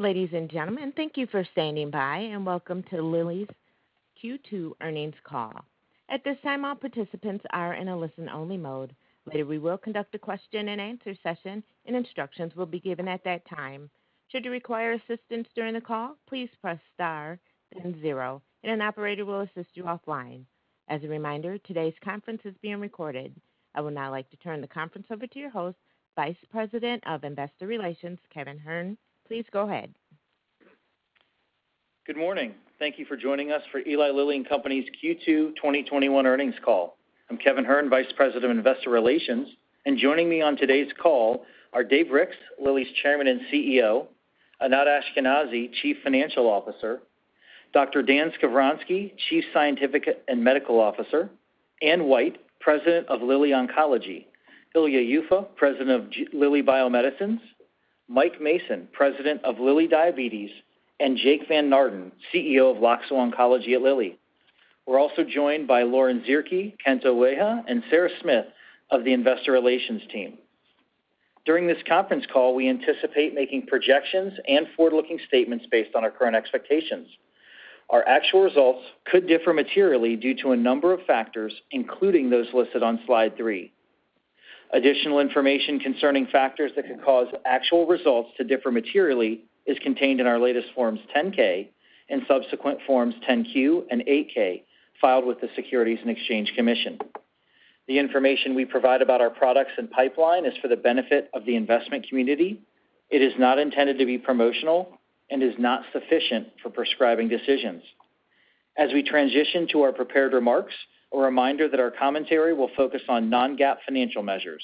Ladies and gentlemen, thank you for standing by, and welcome to Lilly's Q2 earnings call. At this time, all participants are in a listen-only mode. Later, we will conduct a question-and-answer session, and instructions will be given at that time. Should you require assistance during the call, please press star then zero, and an operator will assist you offline. As a reminder, today's conference is being recorded. I would now like to turn the conference over to your host, Vice President of Investor Relations, Kevin Hern. Please go ahead. Good morning. Thank you for joining us for Eli Lilly and Company's Q2 2021 earnings call. I'm Kevin Hern, Vice President of Investor Relations, and joining me on today's call are Dave Ricks, Lilly's Chairman and CEO, Anat Ashkenazi, Chief Financial Officer, Dr. Dan Skovronsky, Chief Scientific and Medical Officer, Anne White, President of Lilly Oncology, Ilya Yuffa, President of Lilly Bio-Medicines, Mike Mason, President of Lilly Diabetes, and Jake Van Naarden, CEO of Loxo Oncology at Lilly. We're also joined by Lauren Zierke, Kento Ueha, and Sara Smith of the Investor Relations team. During this conference call, we anticipate making projections and forward-looking statements based on our current expectations. Our actual results could differ materially due to a number of factors, including those listed on slide three. Additional information concerning factors that could cause actual results to differ materially is contained in our latest Forms 10-K and subsequent Forms 10-Q and 8-K filed with the Securities and Exchange Commission. The information we provide about our products and pipeline is for the benefit of the investment community. It is not intended to be promotional and is not sufficient for prescribing decisions. As we transition to our prepared remarks, a reminder that our commentary will focus on non-GAAP financial measures.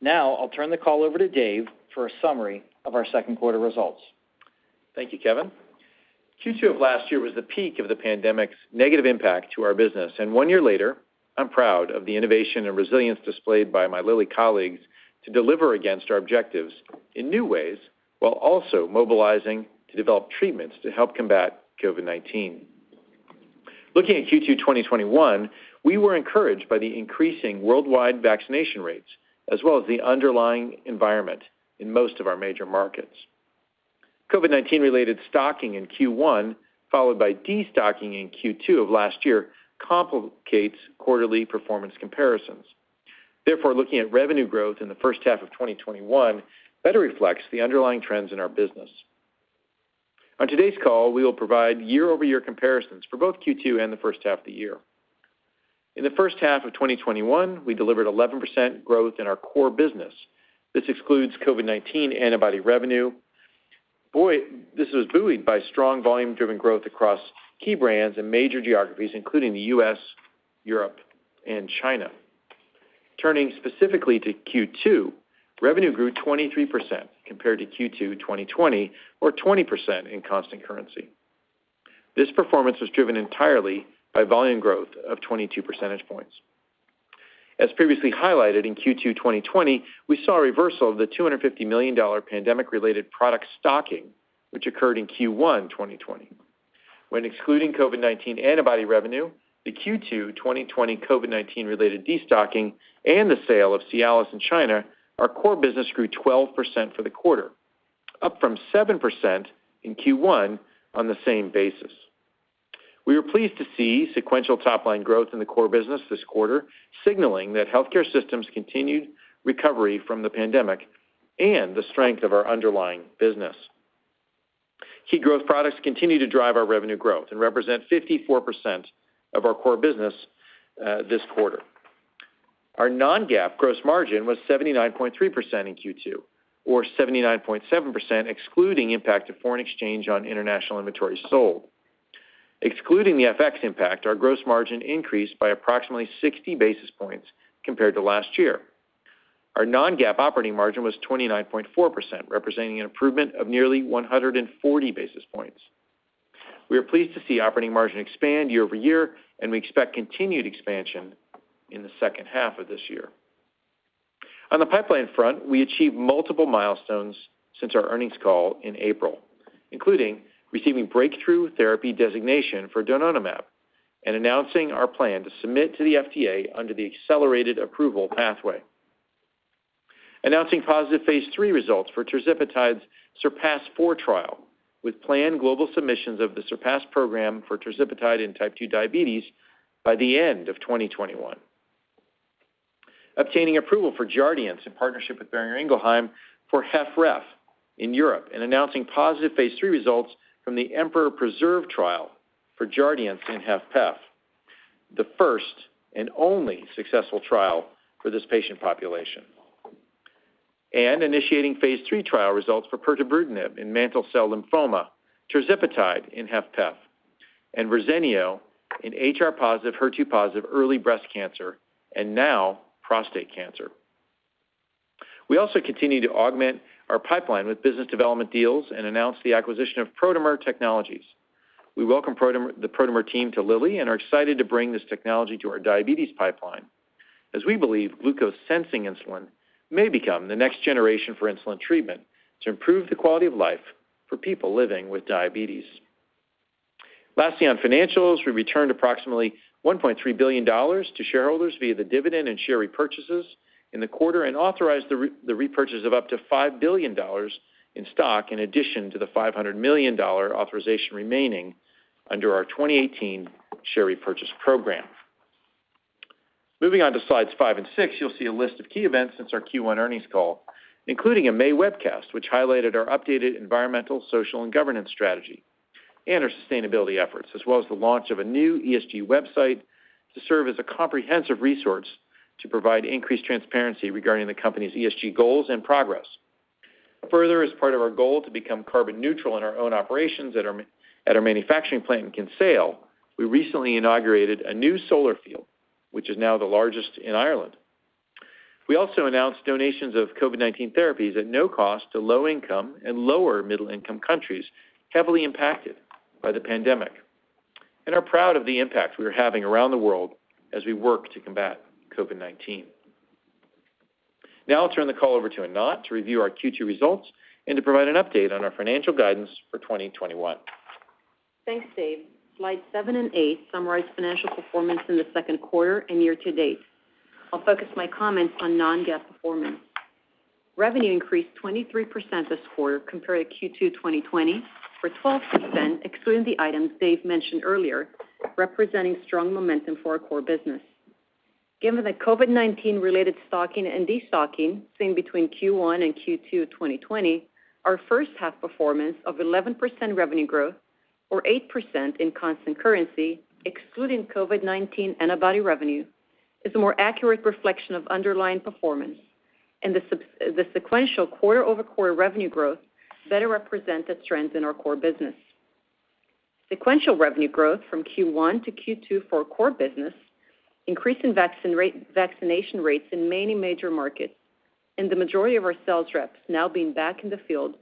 Now, I'll turn the call over to Dave for a summary of our second quarter results. Thank you, Kevin. Q2 of last year was the peak of the pandemic's negative impact on our business, and one year later, I'm proud of the innovation and resilience displayed by my Lilly colleagues to deliver against our objectives in new ways, while also mobilizing to develop treatments to help combat COVID-19. Looking at Q2 2021, we were encouraged by the increasing worldwide vaccination rates as well as the underlying environment in most of our major markets. COVID-19-related stocking in Q1, followed by destocking in Q2 of last year, complicates quarterly performance comparisons. Therefore, looking at revenue growth in the first half of 2021 better reflects the underlying trends in our business. On today's call, we will provide year-over-year comparisons for both Q2 and the first half of the year. In the first half of 2021, we delivered 11% growth in our core business. This excludes COVID-19 antibody revenue. This was buoyed by strong volume-driven growth across key brands and major geographies, including the U.S., Europe, and China. Turning specifically to Q2, revenue grew 23% compared to Q2 2020 or 20% in constant currency. This performance was driven entirely by volume growth of 22 percentage points. As previously highlighted in Q2 2020, we saw a reversal of the $250 million pandemic-related product stocking, which occurred in Q1 2020. When excluding COVID-19 antibody revenue, the Q2 2020 COVID-19-related destocking, and the sale of Cialis in China, our core business grew 12% for the quarter, up from 7% in Q1 on the same basis. We were pleased to see sequential top-line growth in the core business this quarter, signaling that healthcare systems' continued recovery from the pandemic and the strength of our underlying business. Key growth products continue to drive our revenue growth and represent 54% of our core business this quarter. Our non-GAAP gross margin was 79.3% in Q2, or 79.7% excluding the impact of foreign exchange on international inventory sold. Excluding the FX impact, our gross margin increased by approximately 60 basis points compared to last year. Our non-GAAP operating margin was 29.4%, representing an improvement of nearly 140 basis points. We are pleased to see the operating margin expand year-over-year, and we expect continued expansion in the second half of this year. On the pipeline front, we achieved multiple milestones since our earnings call in April, including receiving breakthrough therapy designation for donanemab and announcing our plan to submit to the FDA under the accelerated approval pathway. Announcing positive phase III results for tirzepatide's SURPASS-4 trial with planned global submissions of the SURPASS program for tirzepatide in type 2 diabetes by the end of 2021. Obtaining approval for Jardiance in partnership with Boehringer Ingelheim for HFpEF in Europe and announcing positive phase III results from the EMPEROR-Preserved trial for Jardiance in HFpEF, the first and only successful trial for this patient population. Initiating phase III trial results for pirtobrutinib in mantle cell lymphoma, tirzepatide in HFpEF, and Verzenio in HR+ HER2- early breast cancer and now prostate cancer. We also continue to augment our pipeline with business development deals and announce the acquisition of Protomer Technologies. We welcome the Protomer team to Lilly and are excited to bring this technology to our diabetes pipeline as we believe glucose-sensing insulin may become the next generation for insulin treatment to improve the quality of life for people living with diabetes. Lastly, on financials, we returned approximately $1.3 billion to shareholders via the dividend and share repurchases in the quarter and authorized the repurchase of up to $5 billion in stock, in addition to the $500 million authorization remaining under our 2018 share repurchase program. Moving on to slides five and six, you'll see a list of key events since our Q1 earnings call, including a May webcast, which highlighted our updated environmental, social, and governance strategy and our sustainability efforts, as well as the launch of a new ESG website to serve as a comprehensive resource to provide increased transparency regarding the company's ESG goals and progress. As part of our goal to become carbon neutral in our own operations at our manufacturing plant in Kinsale, we recently inaugurated a new solar field, which is now the largest in Ireland. We also announced donations of COVID-19 therapies at no cost to low-income and lower-middle-income countries heavily impacted by the pandemic, and are proud of the impact we are having around the world as we work to combat COVID-19. I'll turn the call over to Anat to review our Q2 results and to provide an update on our financial guidance for 2021. Thanks, Dave. Slides seven and eight summarize financial performance in the second quarter and year-to-date. I'll focus my comments on non-GAAP performance. Revenue increased 23% this quarter compared to Q2 2020 or 12% excluding the items Dave mentioned earlier, representing strong momentum for our core business. Given the COVID-19-related stocking and de-stocking seen between Q1 and Q2 2020, our first-half performance of 11% revenue growth or 8% in constant currency, excluding COVID-19 antibody revenue, is a more accurate reflection of underlying performance, and the sequential quarter-over-quarter revenue growth better represents the trends in our core business. Sequential revenue growth from Q1 to Q2 for our core business, an increase in vaccination rates in many major markets, and the majority of our sales reps now being back in the field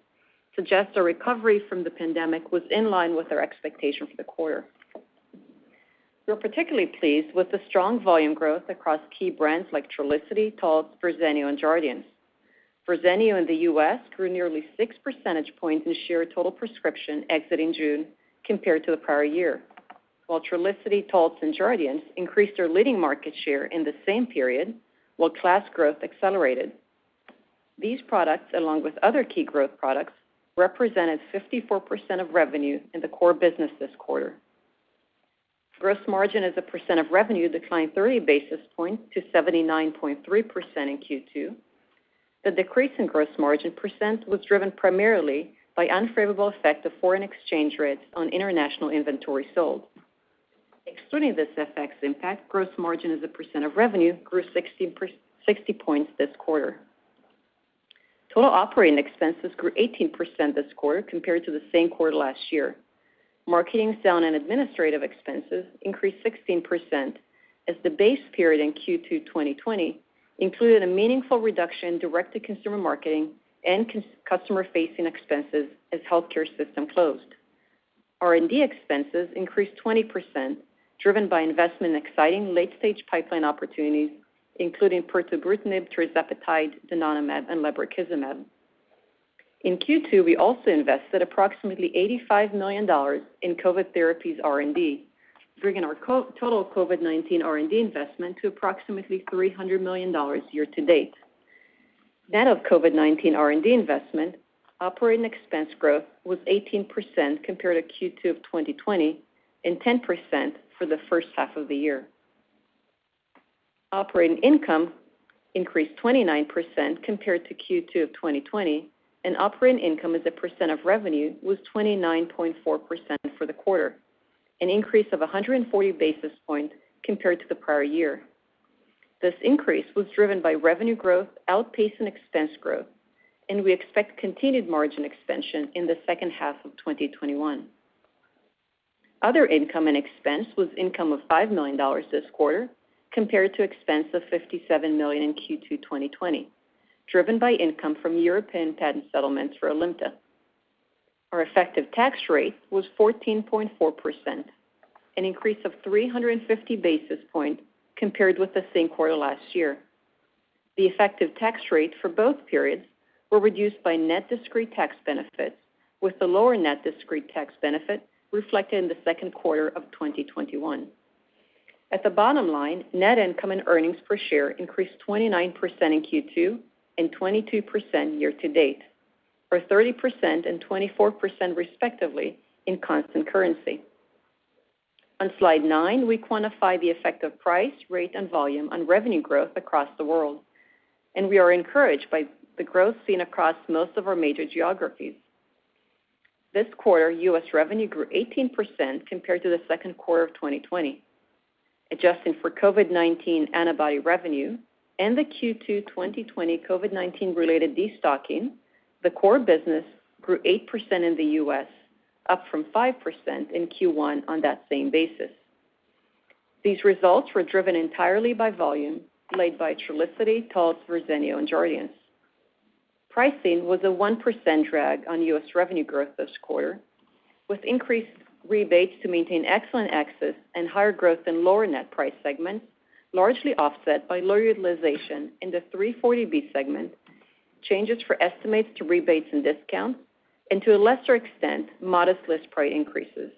suggest our recovery from the pandemic was in line with our expectations for the quarter. We're particularly pleased with the strong volume growth across key brands like Trulicity, Taltz, Verzenio, and Jardiance. Verzenio in the U.S. grew nearly 6 percentage points in share total prescription exiting June compared to the prior year, while Trulicity, Taltz, and Jardiance increased their leading market share in the same period, while class growth accelerated. These products, along with other key growth products, represented 54% of revenue in the core business this quarter. Gross margin as a % of revenue declined 30 basis points to 79.3% in Q2. The decrease in gross margin % was driven primarily by the unfavorable effect of foreign exchange rates on international inventory sold. Excluding this FX impact, gross margin as a % of revenue grew 60 points this quarter. Total operating expenses grew 18% this quarter compared to the same quarter last year. Marketing, sales, and administrative expenses increased 16% as the base period in Q2 2020 included a meaningful reduction in direct-to-consumer marketing and customer-facing expenses as healthcare system closed. R&D expenses increased 20%, driven by investment in exciting late-stage pipeline opportunities, including pirtobrutinib, tirzepatide, donanemab, and lebrikizumab. In Q2, we also invested approximately $85 million in COVID therapies R&D, bringing our total COVID-19 R&D investment to approximately $300 million year-to-date. Net of COVID-19 R&D investment, operating expense growth was 18% compared to Q2 of 2020 and 10% for the first half of the year. Operating income increased 29% compared to Q2 of 2020, and operating income as a percent of revenue was 29.4% for the quarter, an increase of 140 basis points compared to the prior year. This increase was driven by revenue growth outpacing expense growth. We expect continued margin expansion in the second half of 2021. Other income and expense was income of $5 million this quarter, compared to expense of $57 million in Q2 2020, driven by income from European patent settlements for Alimta. Our effective tax rate was 14.4%, an increase of 350 basis points compared with the same quarter last year. The effective tax rate for both periods were reduced by net discrete tax benefit, with the lower net discrete tax benefit reflected in the second quarter of 2021. At the bottom line, net income and earnings per share increased 29% in Q2 and 22% year-to-date, or 30% and 24%, respectively, in constant currency. On slide nine, we quantify the effect of price, rate, and volume on revenue growth across the world. We are encouraged by the growth seen across most of our major geographies. This quarter, U.S. revenue grew 18% compared to the second quarter of 2020. Adjusting for COVID-19 antibody revenue and the Q2 2020 COVID-19-related de-stocking, the core business grew 8% in the U.S., up from 5% in Q1 on that same basis. These results were driven entirely by volume, led by Trulicity, Taltz, Verzenio, and Jardiance. Pricing was a 1% drag on U.S. revenue growth this quarter, with increased rebates to maintain excellent access and higher growth in lower net price segments, largely offset by lower utilization in the 340B segment, changes for estimates to rebates and discounts, and, to a lesser extent, modest list price increases.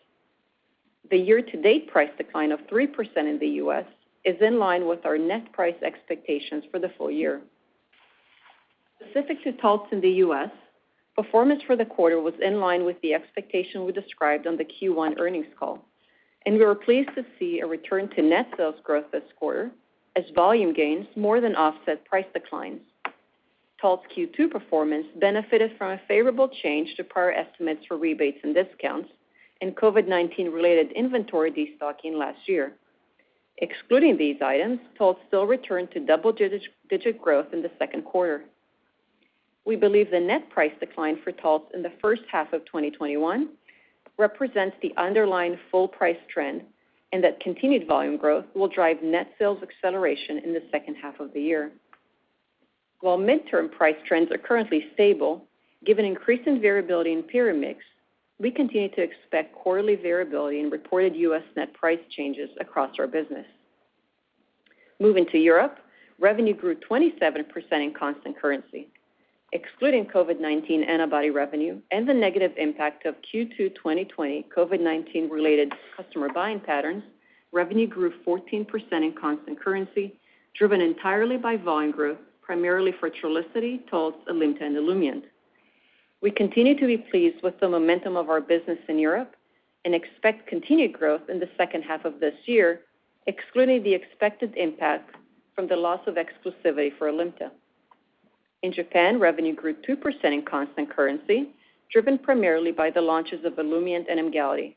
The year-to-date price decline of 3% in the U.S. is in line with our net price expectations for the full year. Specific to Taltz in the U.S., performance for the quarter was in line with the expectation we described on the Q1 earnings call, and we were pleased to see a return to net sales growth this quarter as volume gains more than offset price declines. Taltz Q2 performance benefited from a favorable change to prior estimates for rebates and discounts and COVID-19-related inventory destocking last year. Excluding these items, Taltz still returned to double-digit growth in the second quarter. We believe the net price decline for Taltz in the first half of 2021 represents the underlying full price trend, and that continued volume growth will drive net sales acceleration in the second half of the year. While midterm price trends are currently stable, given increasing variability in period mix, we continue to expect quarterly variability in reported U.S. net price changes across our business. Moving to Europe, revenue grew 27% in constant currency. Excluding COVID-19 antibody revenue and the negative impact of Q2 2020 COVID-19-related customer buying patterns, revenue grew 14% in constant currency, driven entirely by volume growth, primarily for Trulicity, Taltz, Olumiant, and Emgality. We continue to be pleased with the momentum of our business in Europe and expect continued growth in the second half of this year, excluding the expected impact from the loss of exclusivity for Olumiant. In Japan, revenue grew 2% in constant currency, driven primarily by the launches of Olumiant and Emgality.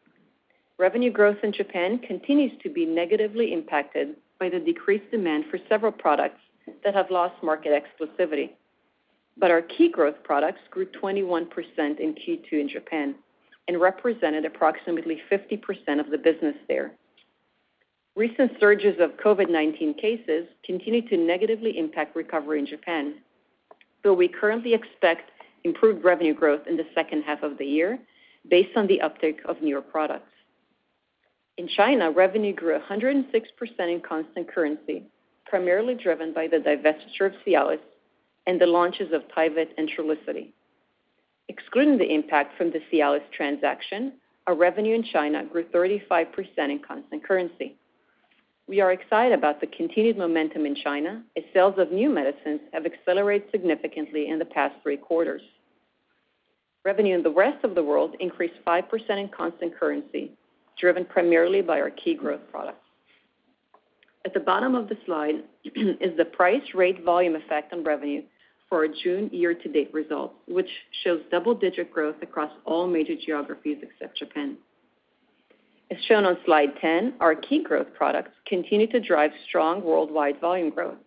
Revenue growth in Japan continues to be negatively impacted by the decreased demand for several products that have lost market exclusivity. Our key growth products grew 21% in Q2 in Japan and represented approximately 50% of the business there. Recent surges of COVID-19 cases continue to negatively impact recovery in Japan, though we currently expect improved revenue growth in the second half of the year based on the uptick of newer products. In China, revenue grew 106% in constant currency, primarily driven by the divestiture of Cialis and the launches of Tyvyt and Trulicity. Excluding the impact of the Cialis transaction, our revenue in China grew 35% in constant currency. We are excited about the continued momentum in China as sales of new medicines have accelerated significantly in the past three quarters. Revenue in the rest of the world increased 5% in constant currency, driven primarily by our key growth products. At the bottom of the slide is the price rate volume effect on revenue for our June year-to-date results, which shows double-digit growth across all major geographies except Japan. As shown on slide 10, our key growth products continue to drive strong worldwide volume growth.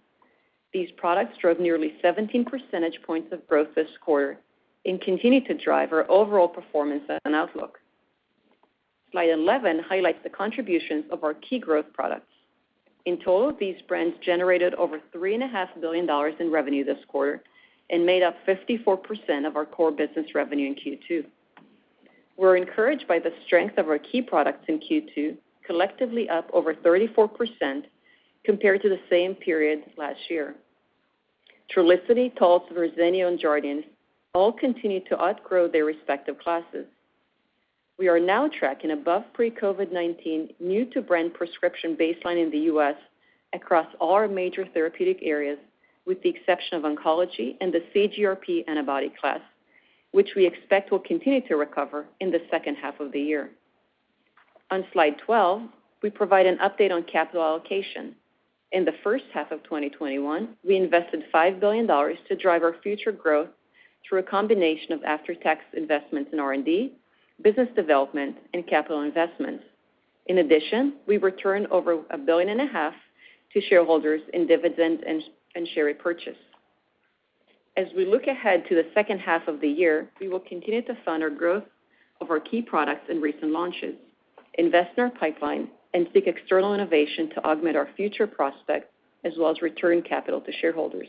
These products drove nearly 17 percentage points of growth this quarter and continue to drive our overall performance and outlook. Slide 11 highlights the contributions of our key growth products. In total, these brands generated over $3.5 billion in revenue this quarter and made up 54% of our core business revenue in Q2. We're encouraged by the strength of our key products in Q2, collectively up over 34% compared to the same period last year. Trulicity, Taltz, Verzenio, and Jardiance all continue to outgrow their respective classes. We are now tracking above the pre-COVID-19 new-to-brand prescription baseline in the U.S. across all our major therapeutic areas, with the exception of oncology and the CGRP antibody class, which we expect will continue to recover in the second half of the year. On slide 12, we provide an update on capital allocation. In the 1st half of 2021, we invested $5 billion to drive our future growth through a combination of after-tax investments in R&D, business development, and capital investments. In addition, we returned over a billion and a half to shareholders in dividends and share repurchase. As we look ahead to the second half of the year, we will continue to fund the growth of our key products and recent launches, invest in our pipeline, and seek external innovation to augment our future prospects, as well as return capital to shareholders.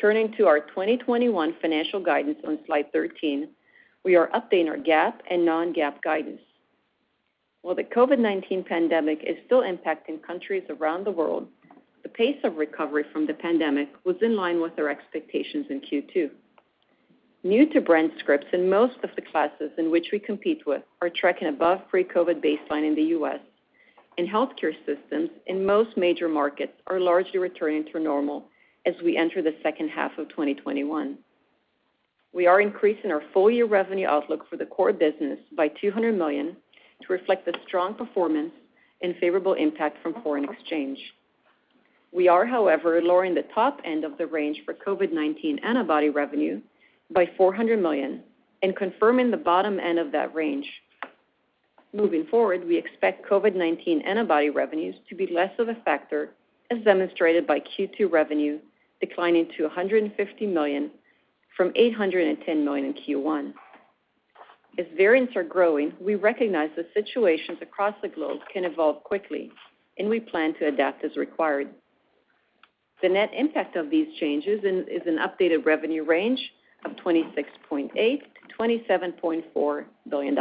Turning to our 2021 financial guidance on slide 13, we are updating our GAAP and non-GAAP guidance. While the COVID-19 pandemic is still impacting countries around the world, the pace of recovery from the pandemic was in line with our expectations in Q2. New to brand scripts in most of the classes in which we compete, with are tracking is above the pre-COVID baseline in the U.S. Healthcare systems in most major markets, and are largely returning to normal as we enter the second half of 2021. We are increasing our full-year revenue outlook for the core business by $200 million to reflect the strong performance and favorable impact from foreign exchange. We are, however, lowering the top end of the range for COVID-19 antibody revenue by $400 million and confirming the bottom end of that range. Moving forward, we expect COVID-19 antibody revenues to be less of a factor, as demonstrated by Q2 revenue declining to $150 million from $810 million in Q1. Variants are growing, we recognize that situations across the globe can evolve quickly, and we plan to adapt as required. The net impact of these changes is an updated revenue range of $26.8 billion-$27.4 billion.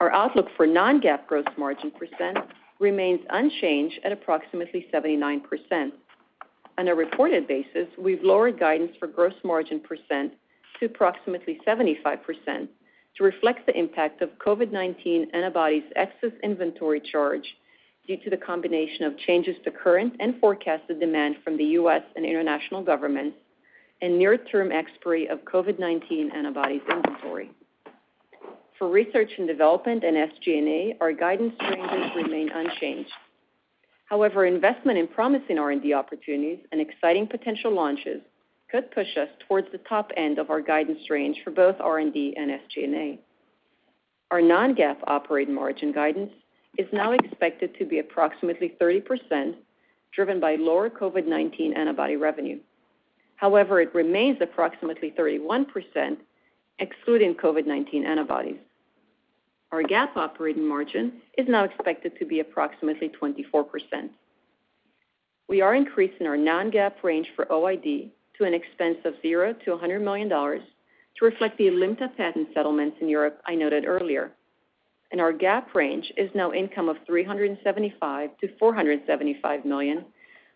Our outlook for non-GAAP gross margin % remains unchanged at approximately 79%. On a reported basis, we've lowered guidance for gross margin % to approximately 75% to reflect the impact of COVID-19 antibodies excess inventory charge due to the combination of changes to current and forecasted demand from the U.S. and international governments, and near-term expiry of COVID-19 antibodies inventory. For research and development and SG&A, our guidance ranges remain unchanged. Investment in promising R&D opportunities and exciting potential launches could push us towards the top end of our guidance range for both R&D and SG&A. Our non-GAAP operating margin guidance is now expected to be approximately 30%, driven by lower COVID-19 antibody revenue. It remains approximately 31% excluding COVID-19 antibodies. Our GAAP operating margin is now expected to be approximately 24%. We are increasing our non-GAAP range for OID to an expense of 0 to $100 million to reflect the Alimta patent settlements in Europe, I noted earlier, and our GAAP range is now income of $375 million-$475 million,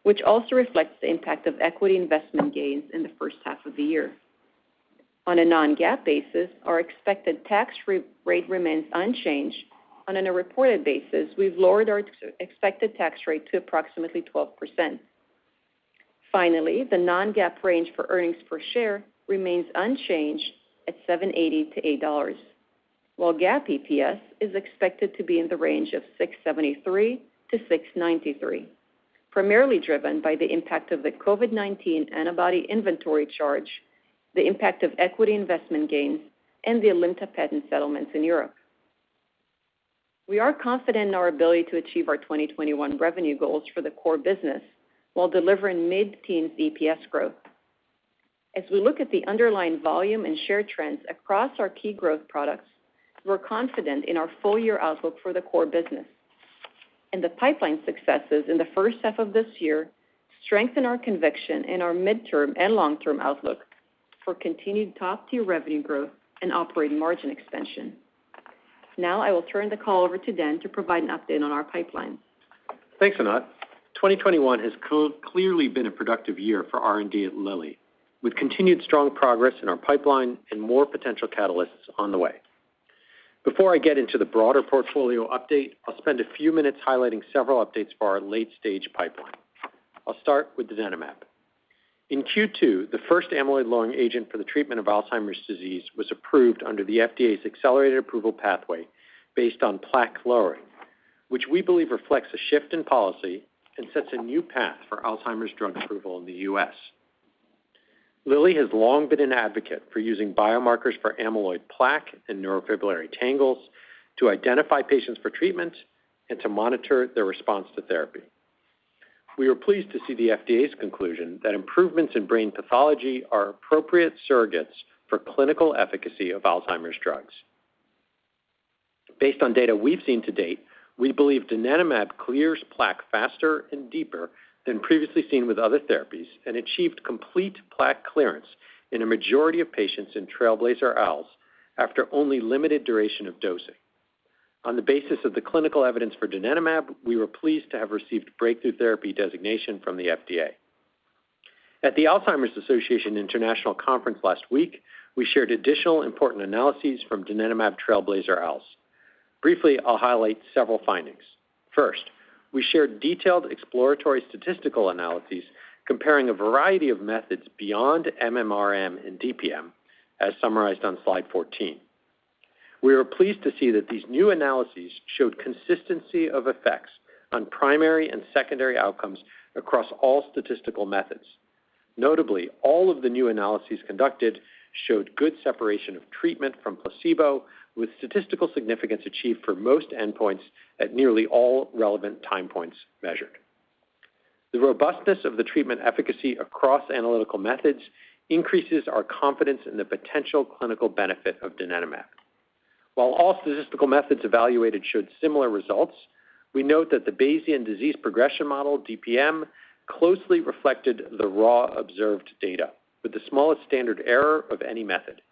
which also reflects the impact of equity investment gains in the first half of the year. On a non-GAAP basis, our expected tax rate remains unchanged, and on a reported basis, we've lowered our expected tax rate to approximately 12%. Finally, the non-GAAP range for earnings per share remains unchanged at $7.80-$8, while GAAP EPS is expected to be in the range of $6.73-$6.93, primarily driven by the impact of the COVID-19 antibody inventory charge, the impact of equity investment gains, and the Alimta patent settlements in Europe. We are confident in our ability to achieve our 2021 revenue goals for the core business while delivering mid-teens EPS growth. As we look at the underlying volume and share trends across our key growth products, we're confident in our full-year outlook for the core business. The pipeline successes in the first half of this year strengthen our conviction in our midterm and long-term outlook for continued top-tier revenue growth and operating margin expansion. Now I will turn the call over to Dan to provide an update on our pipeline. Thanks, Anat. 2021 has clearly been a productive year for R&D at Lilly, with continued strong progress in our pipeline and more potential catalysts on the way. Before I get into the broader portfolio update, I'll spend a few minutes highlighting several updates for our late-stage pipeline. I'll start with donanemab. In Q2, the first amyloid-lowering agent for the treatment of Alzheimer's disease was approved under the FDA's accelerated approval pathway based on plaque-lowering, which we believe reflects a shift in policy and sets a new path for Alzheimer's drug approval in the U.S. Lilly has long been an advocate for using biomarkers for amyloid plaque and neurofibrillary tangles to identify patients for treatment and to monitor their response to therapy. We were pleased to see the FDA's conclusion that improvements in brain pathology are appropriate surrogates for clinical efficacy of Alzheimer's drugs. Based on data we've seen to date, we believe donanemab clears plaque faster and deeper than previously seen with other therapies and achieves complete plaque clearance in a majority of patients in TRAILBLAZER-ALZ after only a limited duration of dosing. On the basis of the clinical evidence for donanemab, we were pleased to have received breakthrough therapy designation from the FDA. At the Alzheimer's Association International Conference last week, we shared additional important analyses from donanemab TRAILBLAZER-ALZ. Briefly, I'll highlight several findings. First, we shared detailed exploratory statistical analyses comparing a variety of methods beyond MMRM and DPM, as summarized on slide 14. We were pleased to see that these new analyses showed consistency of effects on primary and secondary outcomes across all statistical methods. Notably, all of the new analyses conducted showed good separation of treatment from placebo, with statistical significance achieved for most endpoints at nearly all relevant time points measured. The robustness of the treatment efficacy across analytical methods increases our confidence in the potential clinical benefit of donanemab. While all statistical methods evaluated showed similar results, we note that the Bayesian Disease Progression Model, BDPM, closely reflected the raw observed data with the smallest standard error of any method.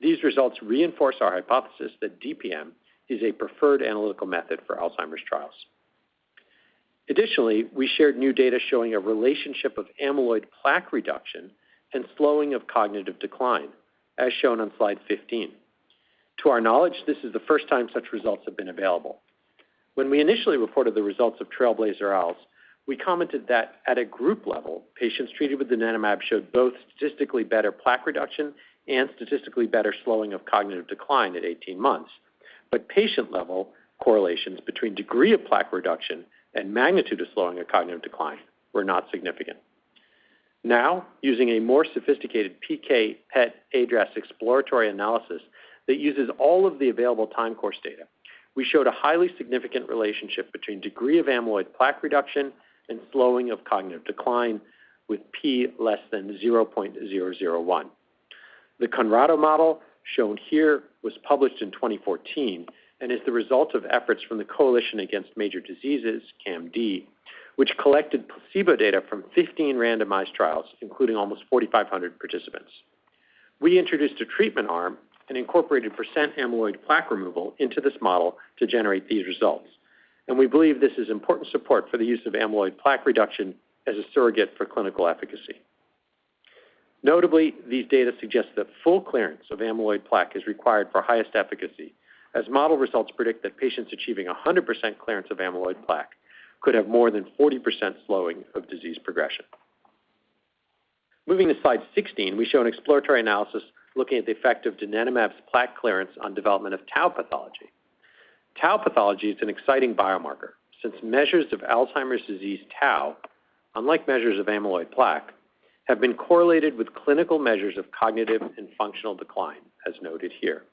These results reinforce our hypothesis that DPM is a preferred analytical method for Alzheimer's trials. Additionally, we shared new data showing a relationship of amyloid plaque reduction and slowing of cognitive decline, as shown on slide 15. To our knowledge, this is the first time such results have been available. When we initially reported the results of TRAILBLAZER-ALZ, we commented that at a group level, patients treated with donanemab showed both statistically better plaque reduction and statistically better slowing of cognitive decline at 18 months. Patient-level correlations between the degree of plaque reduction and the magnitude of slowing of cognitive decline were not significant. Now, using a more sophisticated PK/PET iADRS exploratory analysis that uses all of the available time course data, we showed a highly significant relationship between the degree of amyloid plaque reduction and slowing of cognitive decline, with p < 0.001. The Conrado model, shown here, was published in 2014 and is the result of efforts from the Coalition Against Major Diseases, CAMD, which collected placebo data from 15 randomized trials, including almost 4,500 participants. We introduced a treatment arm and incorporated percent amyloid plaque removal into this model to generate these results. We believe this is important support for the use of amyloid plaque reduction as a surrogate for clinical efficacy. Notably, these data suggest that full clearance of amyloid plaque is required for the highest efficacy, as model results predict that patients achieving 100% clearance of amyloid plaque could have more than 40% slowing of disease progression. Moving to slide 16, we show an exploratory analysis looking at the effect of donanemab's plaque clearance on the development of tau pathology. Tau pathology is an exciting biomarker, since measures of Alzheimer's disease tau, unlike measures of amyloid plaque, have been correlated with clinical measures of cognitive and functional decline, as noted here.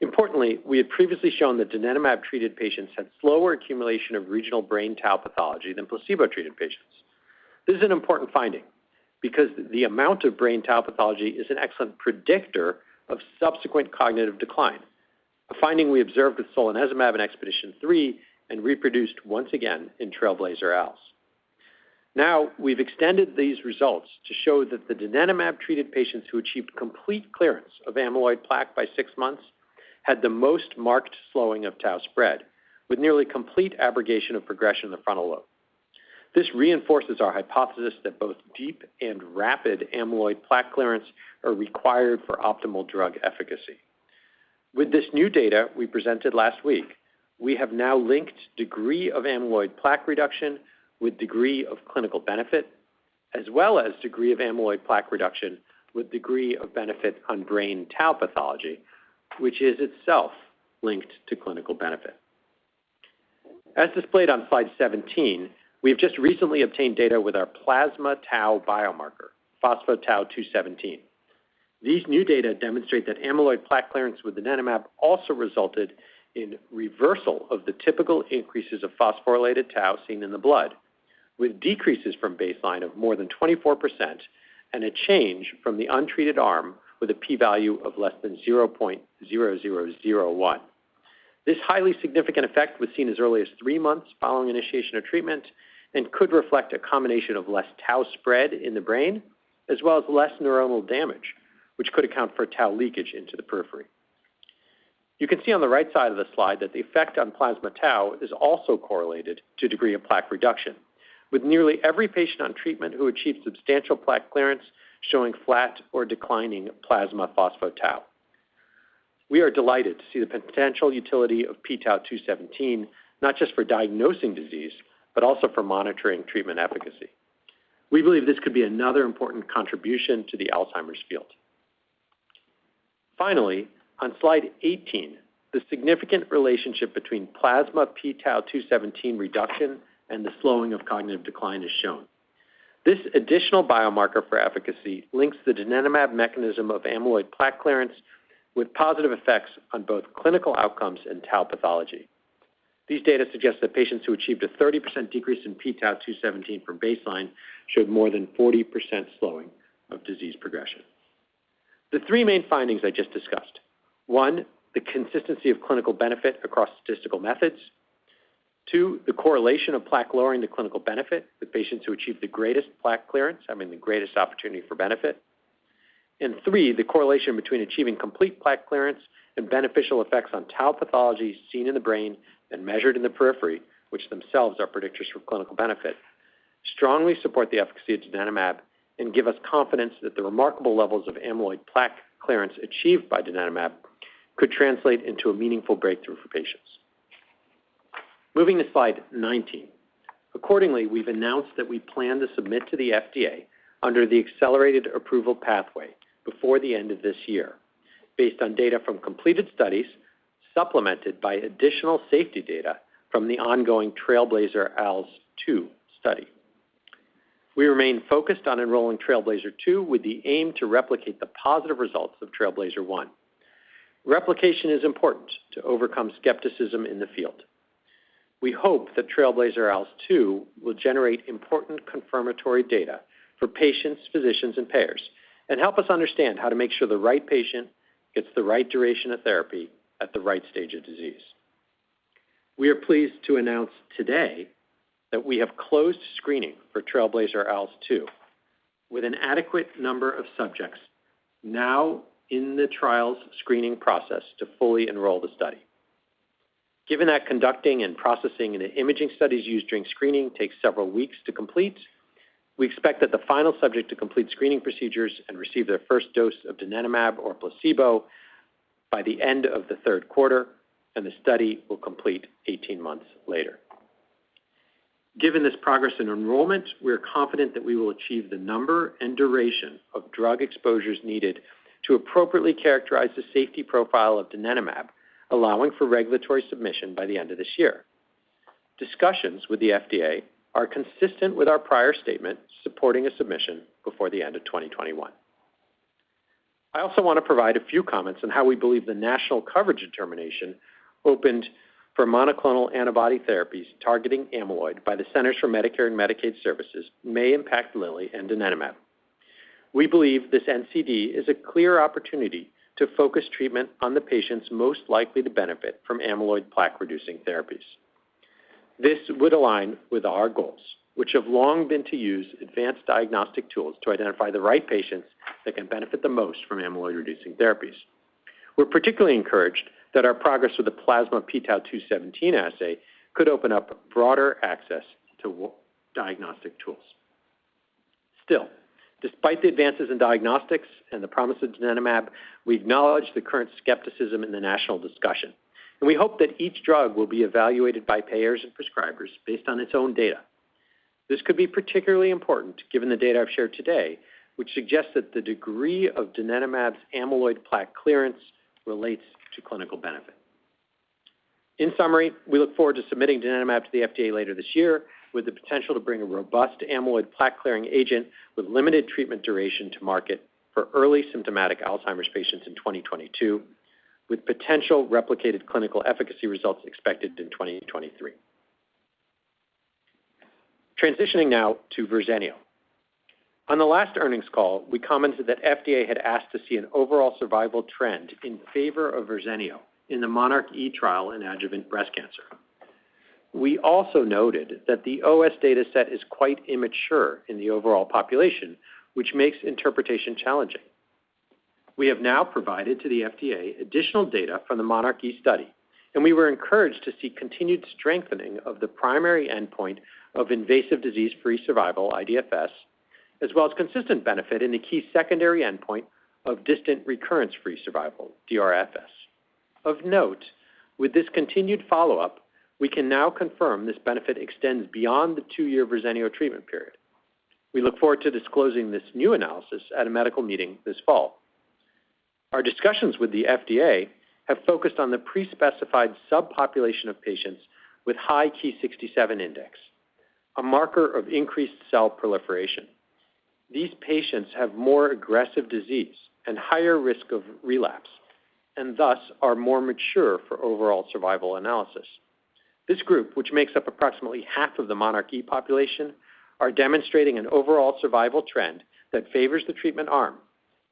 Importantly, we had previously shown that donanemab-treated patients had slower accumulation of regional brain tau pathology than placebo-treated patients. This is an important finding because the amount of brain tau pathology is an excellent predictor of subsequent cognitive decline, a finding we observed with solanezumab in EXPEDITION3 and reproduced once again in TRAILBLAZER-ALZ. Now we've extended these results to show that the donanemab-treated patients who achieved complete clearance of amyloid plaque by six months had the most marked slowing of tau spread with nearly complete abrogation of progression in the frontal lobe. This reinforces our hypothesis that both deep and rapid amyloid plaque clearance are required for optimal drug efficacy. With this new data we presented last week, we have now linked degree of amyloid plaque reduction with degree of clinical benefit, as well as degree of amyloid plaque reduction with degree of benefit on brain tau pathology, which is itself linked to clinical benefit. As displayed on slide 17, we have just recently obtained data with our plasma tau biomarker, phospho-tau217. These new data demonstrate that amyloid plaque clearance with donanemab also resulted in reversal of the typical increases of phosphorylated tau seen in the blood, with decreases from baseline of more than 24% and a change from the untreated arm with a p-value < 0.0001. This highly significant effect was seen as early as three months following initiation of treatment and could reflect a combination of less tau spread in the brain as well as less neuronal damage, which could account for tau leakage into the periphery. You can see on the right side of the slide that the effect on plasma tau is also correlated to degree of plaque reduction. With nearly every patient on treatment who achieved substantial plaque clearance showing flat or declining plasma phospho-tau. We are delighted to see the potential utility of p-tau217 not just for diagnosing disease, but also for monitoring treatment efficacy. We believe this could be another important contribution to the Alzheimer's field. Finally, on slide 18, the significant relationship between plasma p-tau217 reduction and the slowing of cognitive decline is shown. This additional biomarker for efficacy links the donanemab mechanism of amyloid plaque clearance with positive effects on both clinical outcomes and tau pathology. These data suggest that patients who achieved a 30% decrease in p-tau217 from baseline showed more than 40% slowing of disease progression. The three main findings I just discussed. One, the consistency of clinical benefit across statistical methods. Two, the correlation of plaque-lowering to clinical benefit with patients who achieve the greatest plaque clearance, I mean the greatest opportunity for benefit. Three, the correlation between achieving complete plaque clearance and beneficial effects on tau pathology seen in the brain and measured in the periphery, which themselves are predictors for clinical benefit, strongly support the efficacy of donanemab and give us confidence that the remarkable levels of amyloid plaque clearance achieved by donanemab could translate into a meaningful breakthrough for patients. Moving to slide 19. Accordingly, we've announced that we plan to submit to the FDA under the accelerated approval pathway before the end of this year based on data from completed studies supplemented by additional safety data from the ongoing TRAILBLAZER-ALZ 2 study. We remain focused on enrolling TRAILBLAZER-ALZ 2 with the aim to replicate the positive results of TRAILBLAZER-ALZ. Replication is important to overcome skepticism in the field. We hope that TRAILBLAZER-ALZ 2 will generate important confirmatory data for patients, physicians, and payers, and help us understand how to make sure the right patient gets the right duration of therapy at the right stage of disease. We are pleased to announce today that we have closed screening for TRAILBLAZER-ALZ 2 with an adequate number of subjects now in the trial's screening process to fully enroll the study. Given that conducting and processing the imaging studies used during screening takes several weeks to complete, we expect that the final subject to complete screening procedures and receive their first dose of donanemab or placebo by the end of the third quarter, and the study will be completed 18 months later. Given this progress in enrollment, we are confident that we will achieve the number and duration of drug exposures needed to appropriately characterize the safety profile of donanemab, allowing for regulatory submission by the end of this year. Discussions with the FDA are consistent with our prior statement supporting a submission before the end of 2021. I also want to provide a few comments on how we believe the national coverage determination opened for monoclonal antibody therapies targeting amyloid by the Centers for Medicare and Medicaid Services may impact Lilly and donanemab. We believe this NCD is a clear opportunity to focus treatment on the patients most likely to benefit from amyloid plaque-reducing therapies. This would align with our goals, which have long been to use advanced diagnostic tools to identify the right patients who can benefit the most from amyloid-reducing therapies. We're particularly encouraged that our progress with the plasma p-tau217 assay could open up broader access to diagnostic tools. Still, despite the advances in diagnostics and the promise of donanemab, we acknowledge the current skepticism in the national discussion, and we hope that each drug will be evaluated by payers and prescribers based on its own data. This could be particularly important given the data I've shared today, which suggests that the degree of donanemab's amyloid plaque clearance relates to clinical benefit. In summary, we look forward to submitting donanemab to the FDA later this year, with the potential to bring a robust amyloid plaque-clearing agent with limited treatment duration to market for early symptomatic Alzheimer's patients in 2022, with potential replicated clinical efficacy results expected in 2023. Transitioning now to Verzenio. On the last earnings call, we commented that the FDA had asked to see an overall survival trend in favor of Verzenio in the monarchE trial in adjuvant breast cancer. We also noted that the OS data set is quite immature in the overall population, which makes interpretation challenging. We have now provided the FDA with additional data from the monarchE study. We were encouraged to see continued strengthening of the primary endpoint of invasive disease-free survival, IDFS, as well as consistent benefit in the key secondary endpoint of distant recurrence-free survival, DRFS. Of note, with this continued follow-up, we can now confirm this benefit extends beyond the two-year Verzenio treatment period. We look forward to disclosing this new analysis at a medical meeting this fall. Our discussions with the FDA have focused on the pre-specified subpopulation of patients with high Ki-67 index, a marker of increased cell proliferation. These patients have more aggressive disease and a higher risk of relapse, and thus are more mature for overall survival analysis. This group, which makes up approximately half of the monarchE population, is demonstrating an overall survival trend that favors the treatment arm,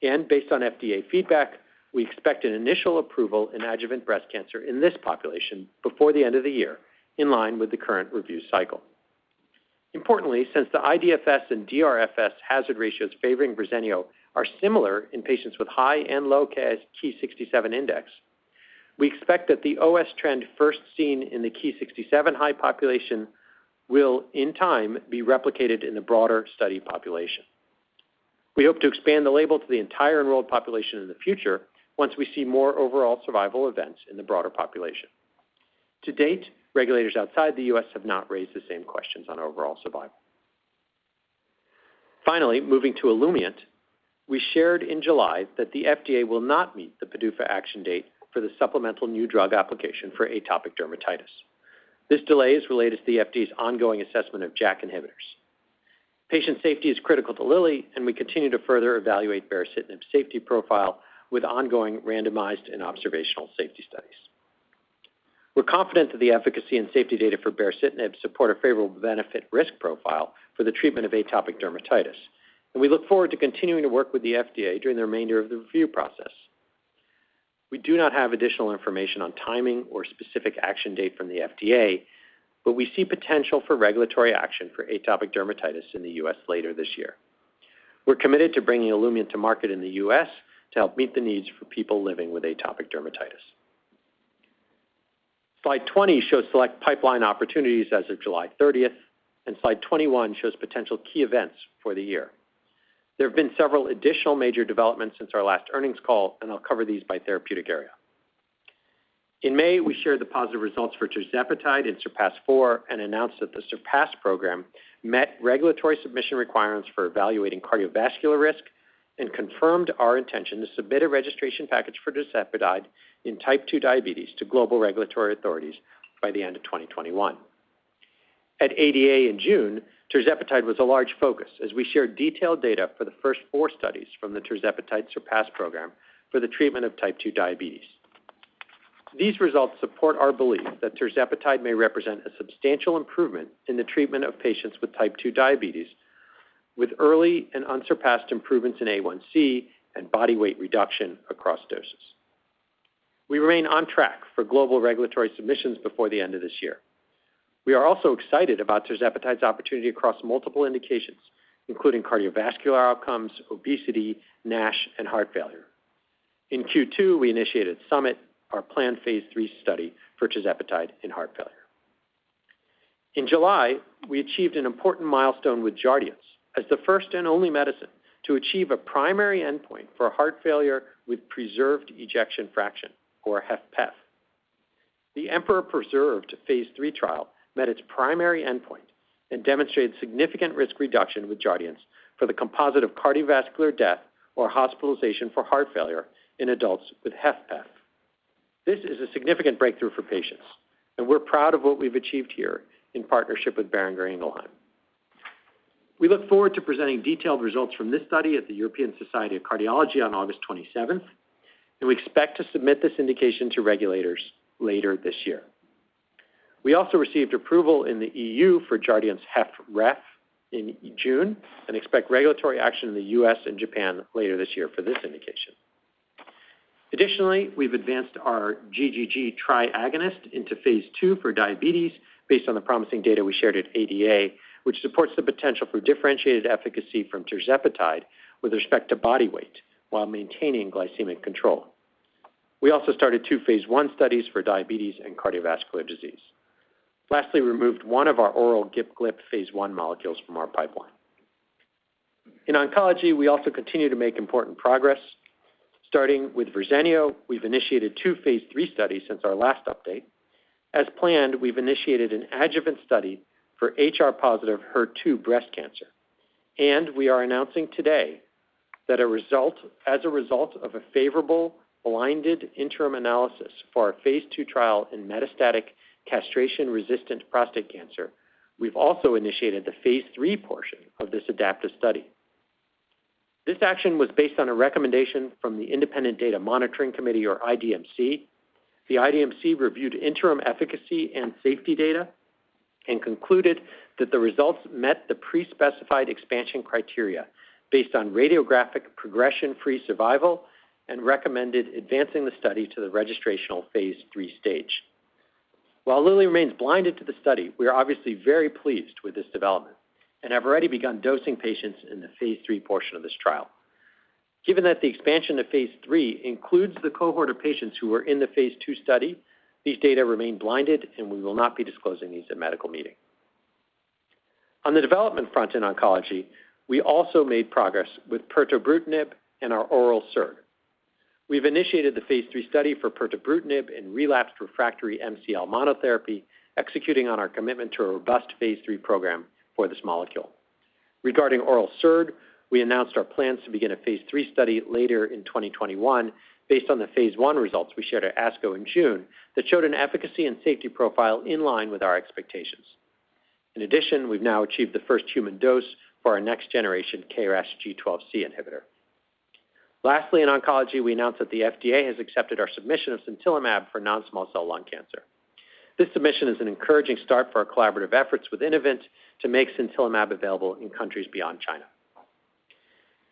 and based on FDA feedback, we expect an initial approval in adjuvant breast cancer in this population before the end of the year, in line with the current review cycle. Importantly, since the IDFS and DRFS hazard ratios favoring Verzenio are similar in patients with high and low Ki-67 index, we expect that the OS trend first seen in the Ki-67 high population will, in time, be replicated in the broader study population. We hope to expand the label to the entire enrolled population in the future once we see more overall survival events in the broader population. To date, regulators outside the U.S. have not raised the same questions on overall survival. Moving to Olumiant, we shared in July that the FDA will not meet the PDUFA action date for the supplemental new drug application for atopic dermatitis. This delay is related to the FDA's ongoing assessment of JAK inhibitors. Patient safety is critical to Lilly, we continue to further evaluate baricitinib's safety profile with ongoing randomized and observational safety studies. We're confident that the efficacy and safety data for baricitinib support a favorable benefit-risk profile for the treatment of atopic dermatitis. We look forward to continuing to work with the FDA during the remainder of the review process. We do not have additional information on timing or a specific action date from the FDA. We see potential for regulatory action for atopic dermatitis in the U.S. later this year. We're committed to bringing Olumiant to market in the U.S. to help meet the needs of people living with atopic dermatitis. Slide 20 shows select pipeline opportunities as of July 30th, and Slide 21 shows potential key events for the year. There have been several additional major developments since our last earnings call, and I'll cover these by therapeutic area. In May, we shared the positive results for tirzepatide in SURPASS-4 and announced that the SURPASS program met regulatory submission requirements for evaluating cardiovascular risk and confirmed our intention to submit a registration package for tirzepatide in type 2 diabetes to global regulatory authorities by the end of 2021. At ADA in June, tirzepatide was a large focus as we shared detailed data for the first four studies from the tirzepatide SURPASS program for the treatment of type 2 diabetes. These results support our belief that tirzepatide may represent a substantial improvement in the treatment of patients with type 2 diabetes with early and unsurpassed improvements in A1c and body weight reduction across doses. We remain on track for global regulatory submissions before the end of this year. We are also excited about tirzepatide's opportunity across multiple indications, including cardiovascular outcomes, obesity, NASH, and heart failure. In Q2, we initiated SUMMIT, our planned phase III study for tirzepatide in heart failure. In July, we achieved an important milestone with Jardiance as the first and only medicine to achieve a primary endpoint for heart failure with preserved ejection fraction, or HFpEF. The EMPEROR-Preserved phase III trial met its primary endpoint and demonstrated significant risk reduction with Jardiance for the composite of cardiovascular death or hospitalization for heart failure in adults with HFpEF. This is a significant breakthrough for patients, and we're proud of what we've achieved here in partnership with Boehringer Ingelheim. We look forward to presenting detailed results from this study at the European Society of Cardiology on August 27th, and we expect to submit this indication to regulators later this year. We also received approval in the EU for Jardiance HFrEF in June and expect regulatory action in the U.S. and Japan later this year for this indication. Additionally, we've advanced our GGG triagonist into phase II for diabetes based on the promising data we shared at ADA, which supports the potential for differentiated efficacy from tirzepatide with respect to body weight while maintaining glycemic control. We also started two phase I studies for diabetes and cardiovascular disease. Lastly, we removed one of our oral GIP/GLP phase I molecules from our pipeline. In oncology, we also continue to make important progress. Starting with Verzenio, we've initiated two phase III studies since our last update. As planned, we've initiated an adjuvant study for HR-positive HER2 breast cancer. We are announcing today that, as a result of a favorable blinded interim analysis for our phase II trial in metastatic castration-resistant prostate cancer, we've also initiated the phase III portion of this adaptive study. This action was based on a recommendation from the Independent Data Monitoring Committee, or IDMC. The IDMC reviewed interim efficacy and safety data and concluded that the results met the pre-specified expansion criteria based on radiographic progression-free survival and recommended advancing the study to the registrational phase III stage. While Lilly remains blinded to the study, we are obviously very pleased with this development and have already begun dosing patients in the phase III portion of this trial. Given that the expansion to phase III includes the cohort of patients who were in the phase II study, these data remain blinded, and we will not be disclosing these at the medical meeting. On the development front in oncology, we also made progress with pirtobrutinib and our oral SERD. We've initiated the phase III study for pirtobrutinib in relapsed, refractory MCL monotherapy, executing on our commitment to a robust phase III program for this molecule. Regarding oral SERD, we announced our plans to begin a phase III study later in 2021 based on the phase I results we shared at ASCO in June that showed an efficacy and safety profile in line with our expectations. In addition, we've now achieved the first human dose for our next-generation KRAS G12C inhibitor. Lastly, in oncology, we announced that the FDA has accepted our submission of sintilimab for non-small cell lung cancer. This submission is an encouraging start for our collaborative efforts with Innovent to make sintilimab available in countries beyond China.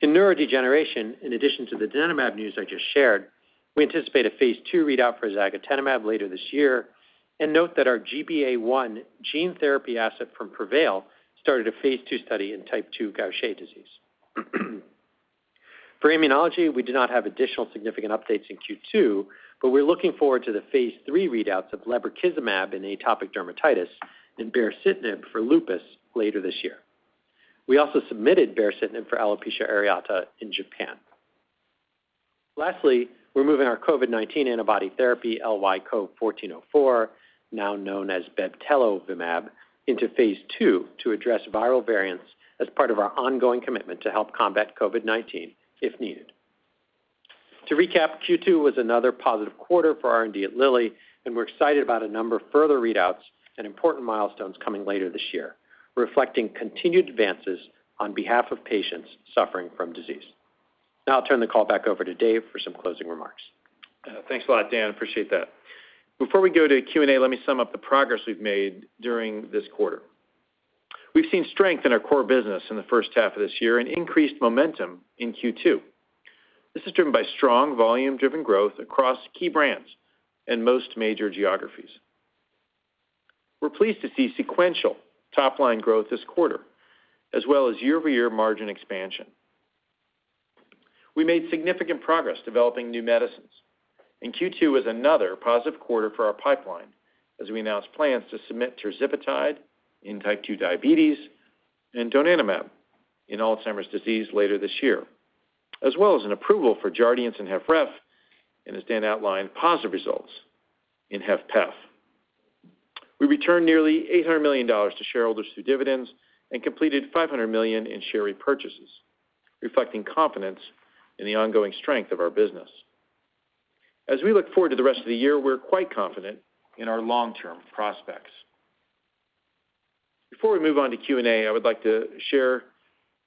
In neurodegeneration, in addition to the donanemab news I just shared, we anticipate a phase II readout for zagotenemab later this year, and note that our GBA1 gene therapy asset from Prevail started a phase II study in type 2 Gaucher disease. For immunology, we do not have additional significant updates in Q2, but we're looking forward to the phase III readouts of lebrikizumab in atopic dermatitis and baricitinib for lupus later this year. We also submitted baricitinib for alopecia areata in Japan. Lastly, we're moving our COVID-19 antibody therapy, LY-CoV1404, now known as bebtelovimab, into phase II to address viral variants as part of our ongoing commitment to help combat COVID-19 if needed. To recap, Q2 was another positive quarter for R&D at Lilly. We're excited about a number of further readouts and important milestones coming later this year, reflecting continued advances on behalf of patients suffering from the disease. I'll turn the call back over to Dave for some closing remarks. Thanks a lot, Dan. Appreciate that. Before we go to Q&A, let me sum up the progress we've made during this quarter. We've seen strength in our core business in the first half of this year and increased momentum in Q2. This is driven by strong volume-driven growth across key brands in most major geographies. We're pleased to see sequential top-line growth this quarter as well as year-over-year margin expansion. We made significant progress developing new medicines. Q2 was another positive quarter for our pipeline as we announced plans to submit tirzepatide in type 2 diabetes and donanemab in Alzheimer's disease later this year, as well as an approval for Jardiance in HFrEF and, as Dan outlined, positive results in HFpEF. We returned nearly $800 million to shareholders through dividends and completed $500 million in share repurchases, reflecting confidence in the ongoing strength of our business. As we look forward to the rest of the year, we're quite confident in our long-term prospects. Before we move on to Q&A, I would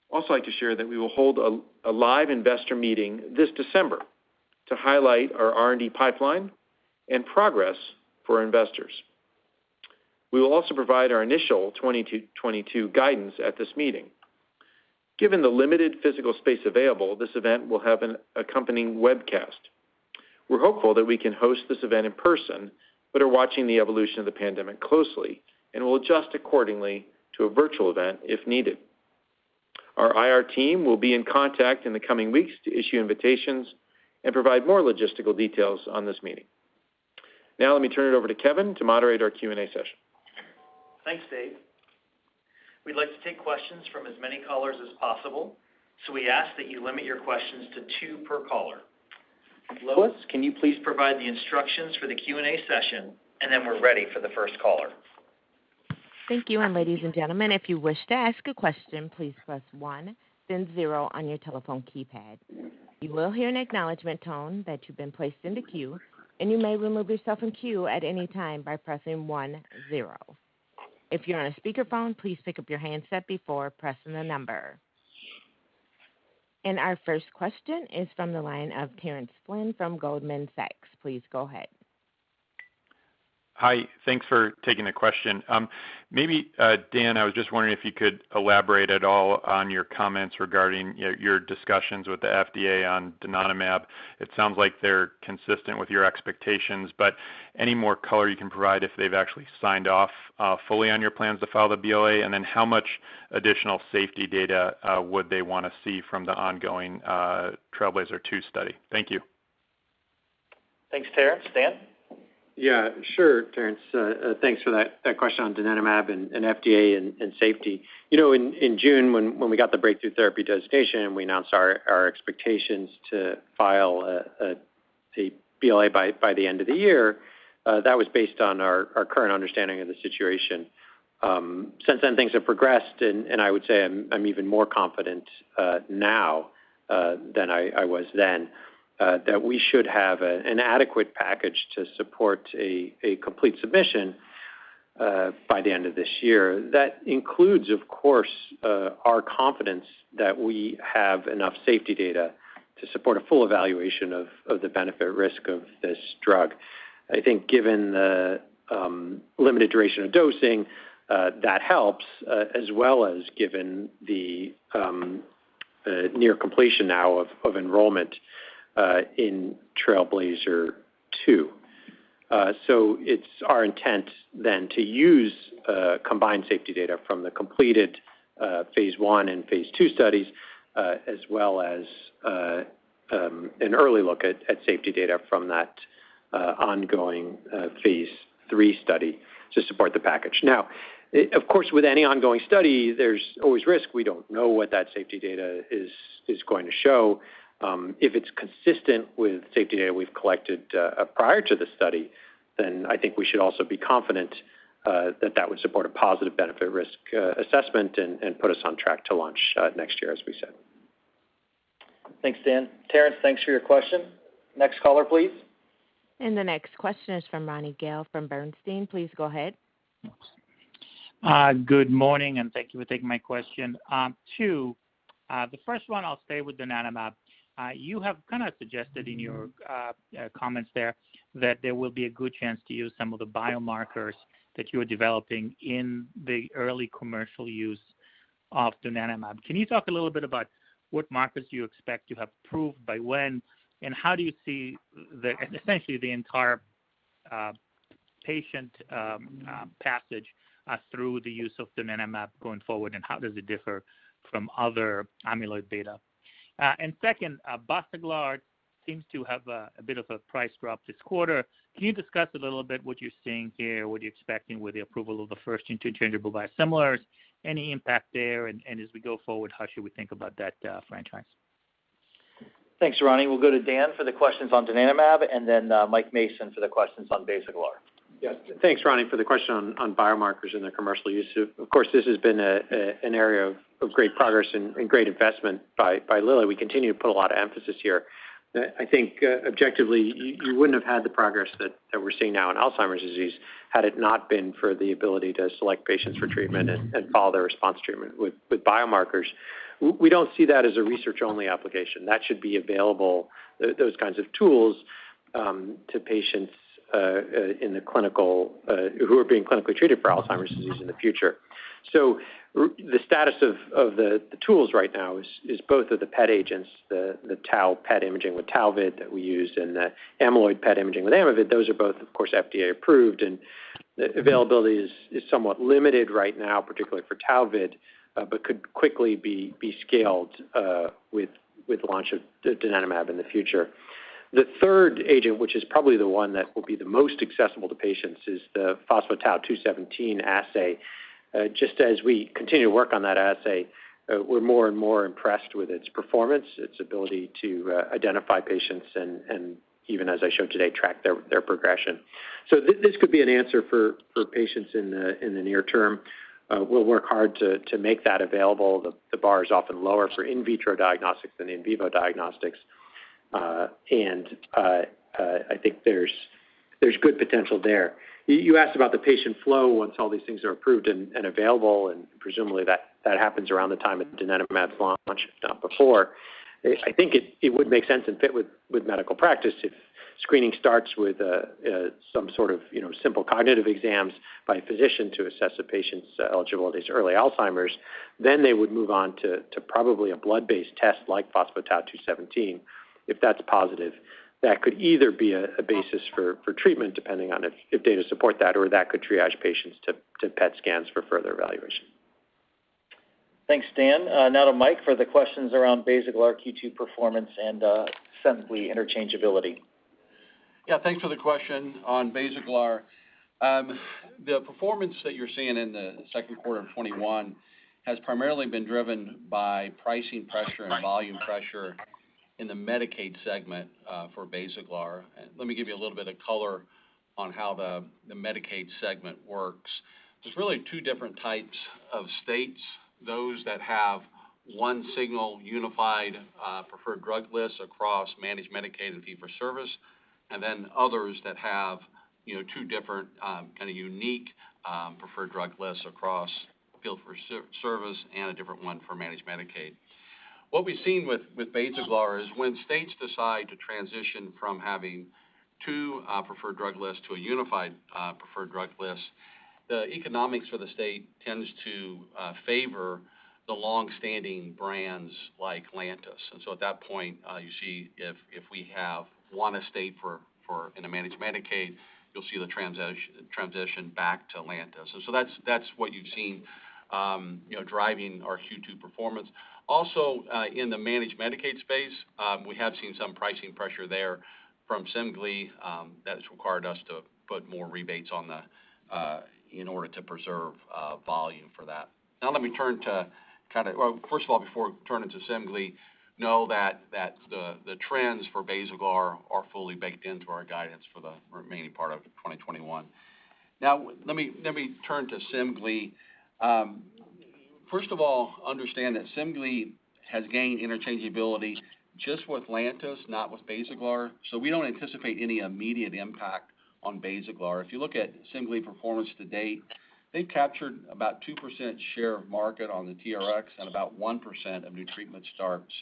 also like to share that we will hold a live investor meeting this December to highlight our R&D pipeline and progress for investors. We will also provide our initial 2022 guidance at this meeting. Given the limited physical space available, this event will have an accompanying webcast. We're hopeful that we can host this event in person, but are watching the evolution of the pandemic closely and will adjust accordingly to a virtual event if needed. Our IR team will be in contact in the coming weeks to issue invitations and provide more logistical details on this meeting. Let me turn it over to Kevin to moderate our Q&A session. Thanks, Dave. We'd like to take questions from as many callers as possible, so we ask that you limit your questions to two per caller. Lois, can you please provide the instructions for the Q&A session? We're ready for the first caller. Thank you. Ladies and gentlemen, if you wish to ask a question, please press one then zero on your telephone keypad. You will hear an acknowledgment tone that you've been placed in the queue, and you may remove yourself from queue at any time by pressing one zero. If you're on a speakerphone, please pick up your handset before pressing the number. Our first question is from the line of Terence Flynn from Goldman Sachs. Please go ahead. Hi. Thanks for taking the question. Maybe, Dan, I was just wondering if you could elaborate at all on your comments regarding your discussions with the FDA on donanemab. It sounds like they're consistent with your expectations, but any more color you can provide if they've actually signed off fully on your plans to file the BLA? How much additional safety data would they want to see from the ongoing TRAILBLAZER-2 study? Thank you. Thanks, Terence. Dan? Yeah. Sure, Terence. Thanks for that question on donanemab and FDA and safety. In June, when we got the breakthrough therapy designation and announced our expectations to file a BLA by the end of the year, that was based on our current understanding of the situation. Since then, things have progressed, and I would say I'm even more confident now than I was then that we should have an adequate package to support a complete submission by the end of this year. That includes, of course, our confidence that we have enough safety data to support a full evaluation of the benefit-risk of this drug. I think given the limited duration of dosing, that helps, as well as given the near completion now of enrollment in TRAILBLAZER-ALZ 2. It's our intent then to use combined safety data from the completed phase I and phase II studies, as well as an early look at safety data from that ongoing phase III study to support the package. Of course, with any ongoing study, there's always risk. We don't know what that safety data is going to show. If it's consistent with safety data we've collected prior to the study, then I think we should also be confident that that would support a positive benefit-risk assessment and put us on track to launch next year, as we said. Thanks, Dan. Terence, thanks for your question. Next caller, please. The next question is from Ronny Gal from Bernstein. Please go ahead. Good morning. Thank you for taking my question. Two. The first one, I'll stay with donanemab. You have kind of suggested in your comments there that there will be a good chance to use some of the biomarkers that you are developing in the early commercial use of donanemab. Can you talk a little bit about what markets you expect to have proved by when, and how you see essentially the entire patient passage through the use of donanemab going forward, and how does it differ from other amyloid beta? Second, Basaglar seems to have a bit of a price drop this quarter. Can you discuss a little bit what you're seeing here, what you're expecting with the approval of the first interchangeable biosimilars, any impact there, and as we go forward, how should we think about that franchise? Thanks, Ronny. We'll go to Dan for the questions on donanemab and then Mike Mason for the questions on Basaglar. Yes. Thanks, Ronny, for the question on biomarkers and their commercial use. Of course, this has been an area of great progress and great investment by Lilly. We continue to put a lot of emphasis here. I think objectively, you wouldn't have had the progress that we're seeing now in Alzheimer's disease had it not been for the ability to select patients for treatment and follow their response to treatment with biomarkers. We don't see that as a research-only application. That should be available, those kinds of tools, to patients who are being clinically treated for Alzheimer's disease in the future. The status of the tools right now is both of the PET agents, the tau-PET imaging with Tauvid that we used, and the amyloid PET imaging with amyloid. Those are both, of course, FDA-approved, and availability is somewhat limited right now, particularly for Tauvid, but could quickly be scaled with the launch of donanemab in the future. The third agent, which is probably the one that will be the most accessible to patients, is the phospho-tau217 assay. Just as we continue to work on that assay, we're more and more impressed with its performance, its ability to identify patients and, even as I showed today, track their progression. This could be an answer for patients in the near term. We'll work hard to make that available. The bar is often lower for in vitro diagnostics than in vivo diagnostics. I think there's good potential there. You asked about the patient flow once all these things are approved and available, and presumably that happens around the time of donanemab's launch, if not before. I think it would make sense and fit with medical practice if screening starts with some sort of simple cognitive exams by a physician to assess a patient's eligibility as early Alzheimer's, then they would move on to probably a blood-based test like phospho-tau217. If that's positive, that could either be a basis for treatment, depending on if data support that, or that could triage patients to PET scans for further evaluation. Thanks, Dan. Now to Mike for the questions around Basaglar Q2 performance and ostensibly interchangeability. Yeah. Thanks for the question on Basaglar. The performance that you're seeing in the second quarter of 2021 has primarily been driven by pricing pressure and volume pressure in the Medicaid segment for Basaglar. Let me give you a little bit of color on how the Medicaid segment works. There's really two different types of states, those that have one single unified preferred drug list across managed Medicaid and fee-for-service, and then others that have two different kind of unique preferred drug lists across fee-for-service and a different one for managed Medicaid. What we've seen with Basaglar is when states decide to transition from having two preferred drug lists to a unified preferred drug list, the economics for the state tends to favor the longstanding brands like Lantus. At that point, you see if we have one estate in a managed Medicaid, you'll see the transition back to Lantus. That's what you've seen driving our Q2 performance. Also, in the managed Medicaid space, we have seen some pricing pressure there from Semglee that has required us to put more rebates in order to preserve volume for that. Now let me turn to Well, first of all, before we turn into Semglee, know that the trends for Basaglar are fully baked into our guidance for the remaining part of 2021. Now, let me turn to Semglee. First of all, understand that Semglee has gained interchangeability just with Lantus, not with Basaglar, so we don't anticipate any immediate impact on Basaglar. If you look at Semglee's performance to date, they've captured about 2% share of market on the TRx and about 1% of new treatment starts,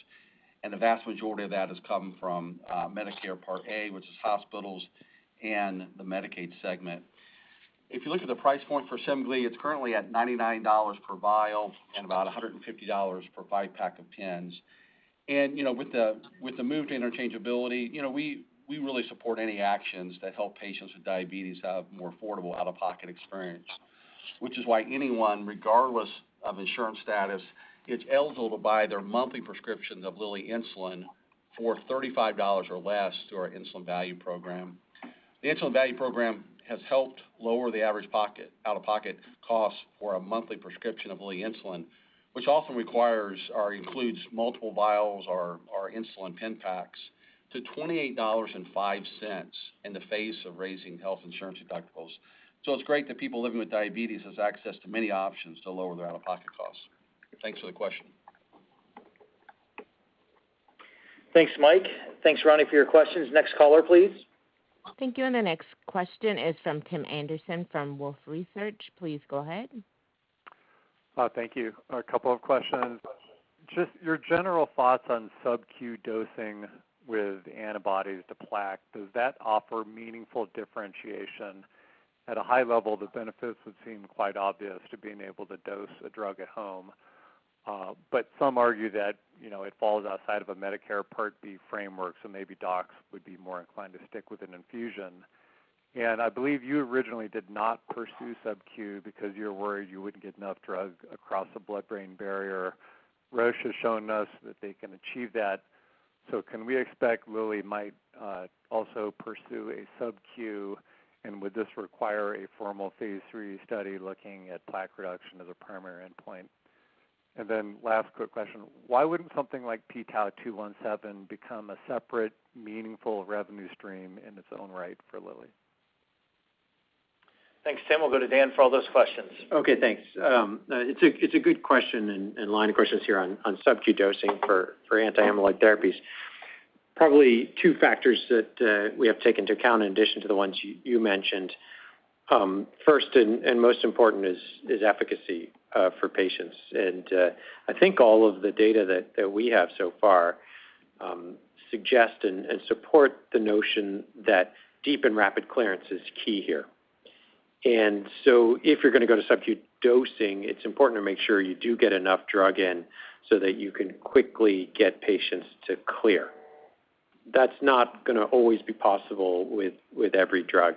and the vast majority of that has come from Medicare Part A, which is hospitals and the Medicaid segment. If you look at the price point for Semglee, it's currently at $99 per vial and about $150 per five-pack of pens. With the move to interchangeability, we really support any actions that help patients with diabetes have a more affordable out-of-pocket experience, which is why anyone, regardless of insurance status, is eligible to buy their monthly prescription of Lilly insulin for $35 or less through our Insulin Value Program. The Insulin Value Program has helped lower the average out-of-pocket costs for a monthly prescription of Lilly insulin, which often requires or includes multiple vials or insulin pen packs to $28.05 in the face of raising health insurance deductibles. It's great that people living with diabetes have access to many options to lower their out-of-pocket costs. Thanks for the question. Thanks, Mike. Thanks, Ronny, for your questions. Next caller, please. Thank you. The next question is from Tim Anderson from Wolfe Research. Please go ahead. Thank you. A couple of questions. Just your general thoughts on subQ dosing with antibodies to plaque. Does that offer meaningful differentiation? At a high level, the benefits would seem quite obvious in being able to dose a drug at home. Some argue that it falls outside of a Medicare Part B framework, so maybe docs would be more inclined to stick with an infusion. I believe you originally did not pursue subQ because you were worried you wouldn't get enough drug across the blood-brain barrier. Roche has shown us that they can achieve that. Can we expect Lilly might also pursue a subQ, and would this require a formal phase III study looking at plaque reduction as a primary endpoint? Last quick question. Why wouldn't something like p-tau217 become a separate, meaningful revenue stream in its own right for Lilly? Thanks, Tim. We'll go to Dan for all those questions. Okay, thanks. It's a good question and line of questions here on subQ dosing for anti-amyloid therapies. Probably two factors that we have taken into account in addition to the ones you mentioned. First and most important is efficacy for patients. I think all of the data that we have so far suggests and support the notion that deep and rapid clearance is key here. If you're going to go to subQ dosing, it's important to make sure you do get enough drug in so that you can quickly get patients to clear. That's not going to always be possible with every drug.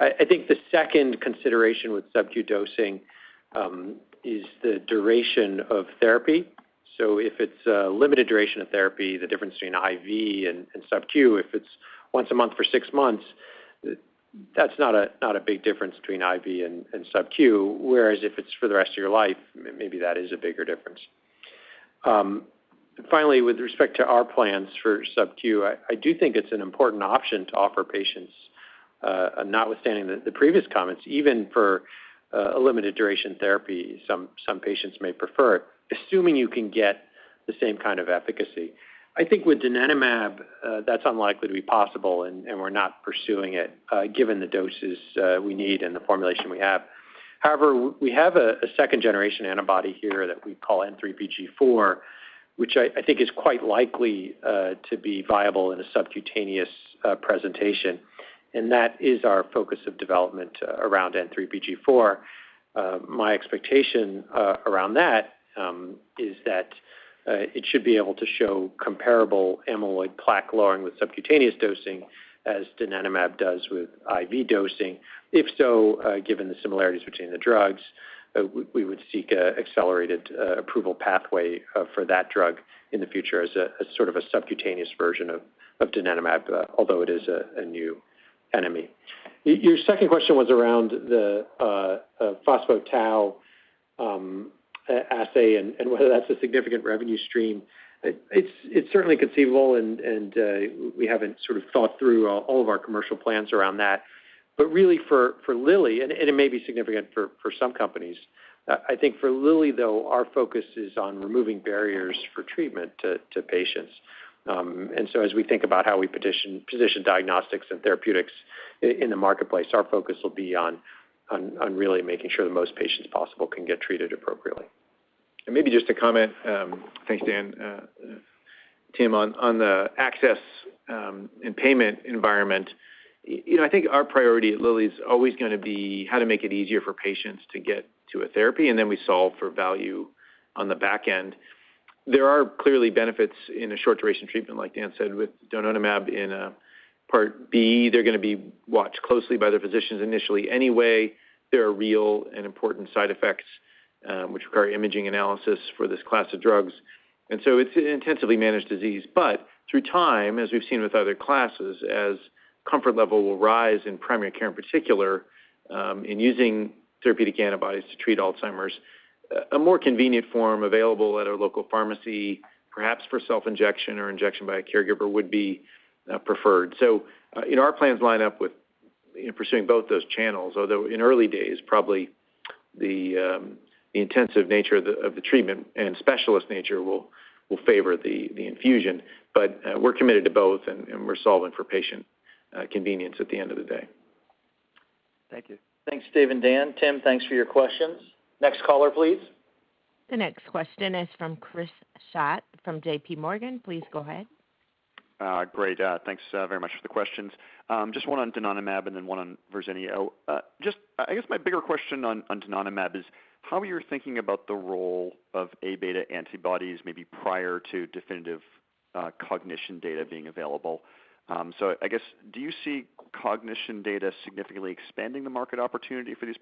I think the second consideration with subQ dosing is the duration of therapy. If it's a limited duration of therapy, the difference between IV and subQ, if it's once a month for six months, that's not a big difference between IV and subQ, whereas if it's for the rest of your life, maybe that is a bigger difference. With respect to our plans for subQ, I do think it's an important option to offer patients, notwithstanding the previous comments, even for a limited duration therapy, some patients may prefer it, assuming you can get the same kind of efficacy. I think with donanemab, that's unlikely to be possible, and we're not pursuing it given the doses we need and the formulation we have. We have a second-generation antibody here that we call N3pG, which I think is quite likely to be viable in a subcutaneous presentation, and that is our focus of development around N3pG. My expectation around that is that it should be able to show comparable amyloid plaque-lowering with subcutaneous dosing as donanemab does with IV dosing. If so, given the similarities between the drugs, we would seek an accelerated approval pathway for that drug in the future as a sort of subcutaneous version of donanemab, although it is a new NME. Your second question was around the phospho-tau assay and whether that's a significant revenue stream. It's certainly conceivable, and we haven't sort of thought through all of our commercial plans around that. Really, for Lilly, and it may be significant for some companies, I think for Lilly, though, our focus is on removing barriers for treatment to patients. As we think about how we position diagnostics and therapeutics in the marketplace, our focus will be on really making sure the most patients possible can get treated appropriately. Maybe just to comment, thanks, Dan, Tim, on the access and payment environment. I think our priority at Lilly is always going to be how to make it easier for patients to get to therapy, and then we solve for value on the back end. There are clearly benefits in a short-duration treatment, like Dan said, with donanemab in Part B. They're going to be watched closely by their physicians initially anyway. There are real and important side effects that require imaging analysis for this class of drugs, and so it's an intensively managed disease. Through time, as we've seen with other classes, as comfort level will rise in primary care in particular, in using therapeutic antibodies to treat Alzheimer's, a more convenient form available at a local pharmacy, perhaps for self-injection or injection by a caregiver, would be preferred. Our plans line up with pursuing both those channels, although in the early days, probably the intensive nature of the treatment and specialist nature will favor the infusion. We're committed to both, and we're solving for patient convenience at the end of the day. Thank you. Thanks, Dave and Dan. Tim, thanks for your questions. Next caller, please. The next question is from Chris Schott from J.P. Morgan. Please go ahead. Great. Thanks very much for the questions. Just one on donanemab and then one on Verzenio. I guess my bigger question on donanemab is how you're thinking about the role of A-beta antibodies, maybe prior to definitive cognition data being available. I guess, do you see cognition data significantly expanding the market opportunity for these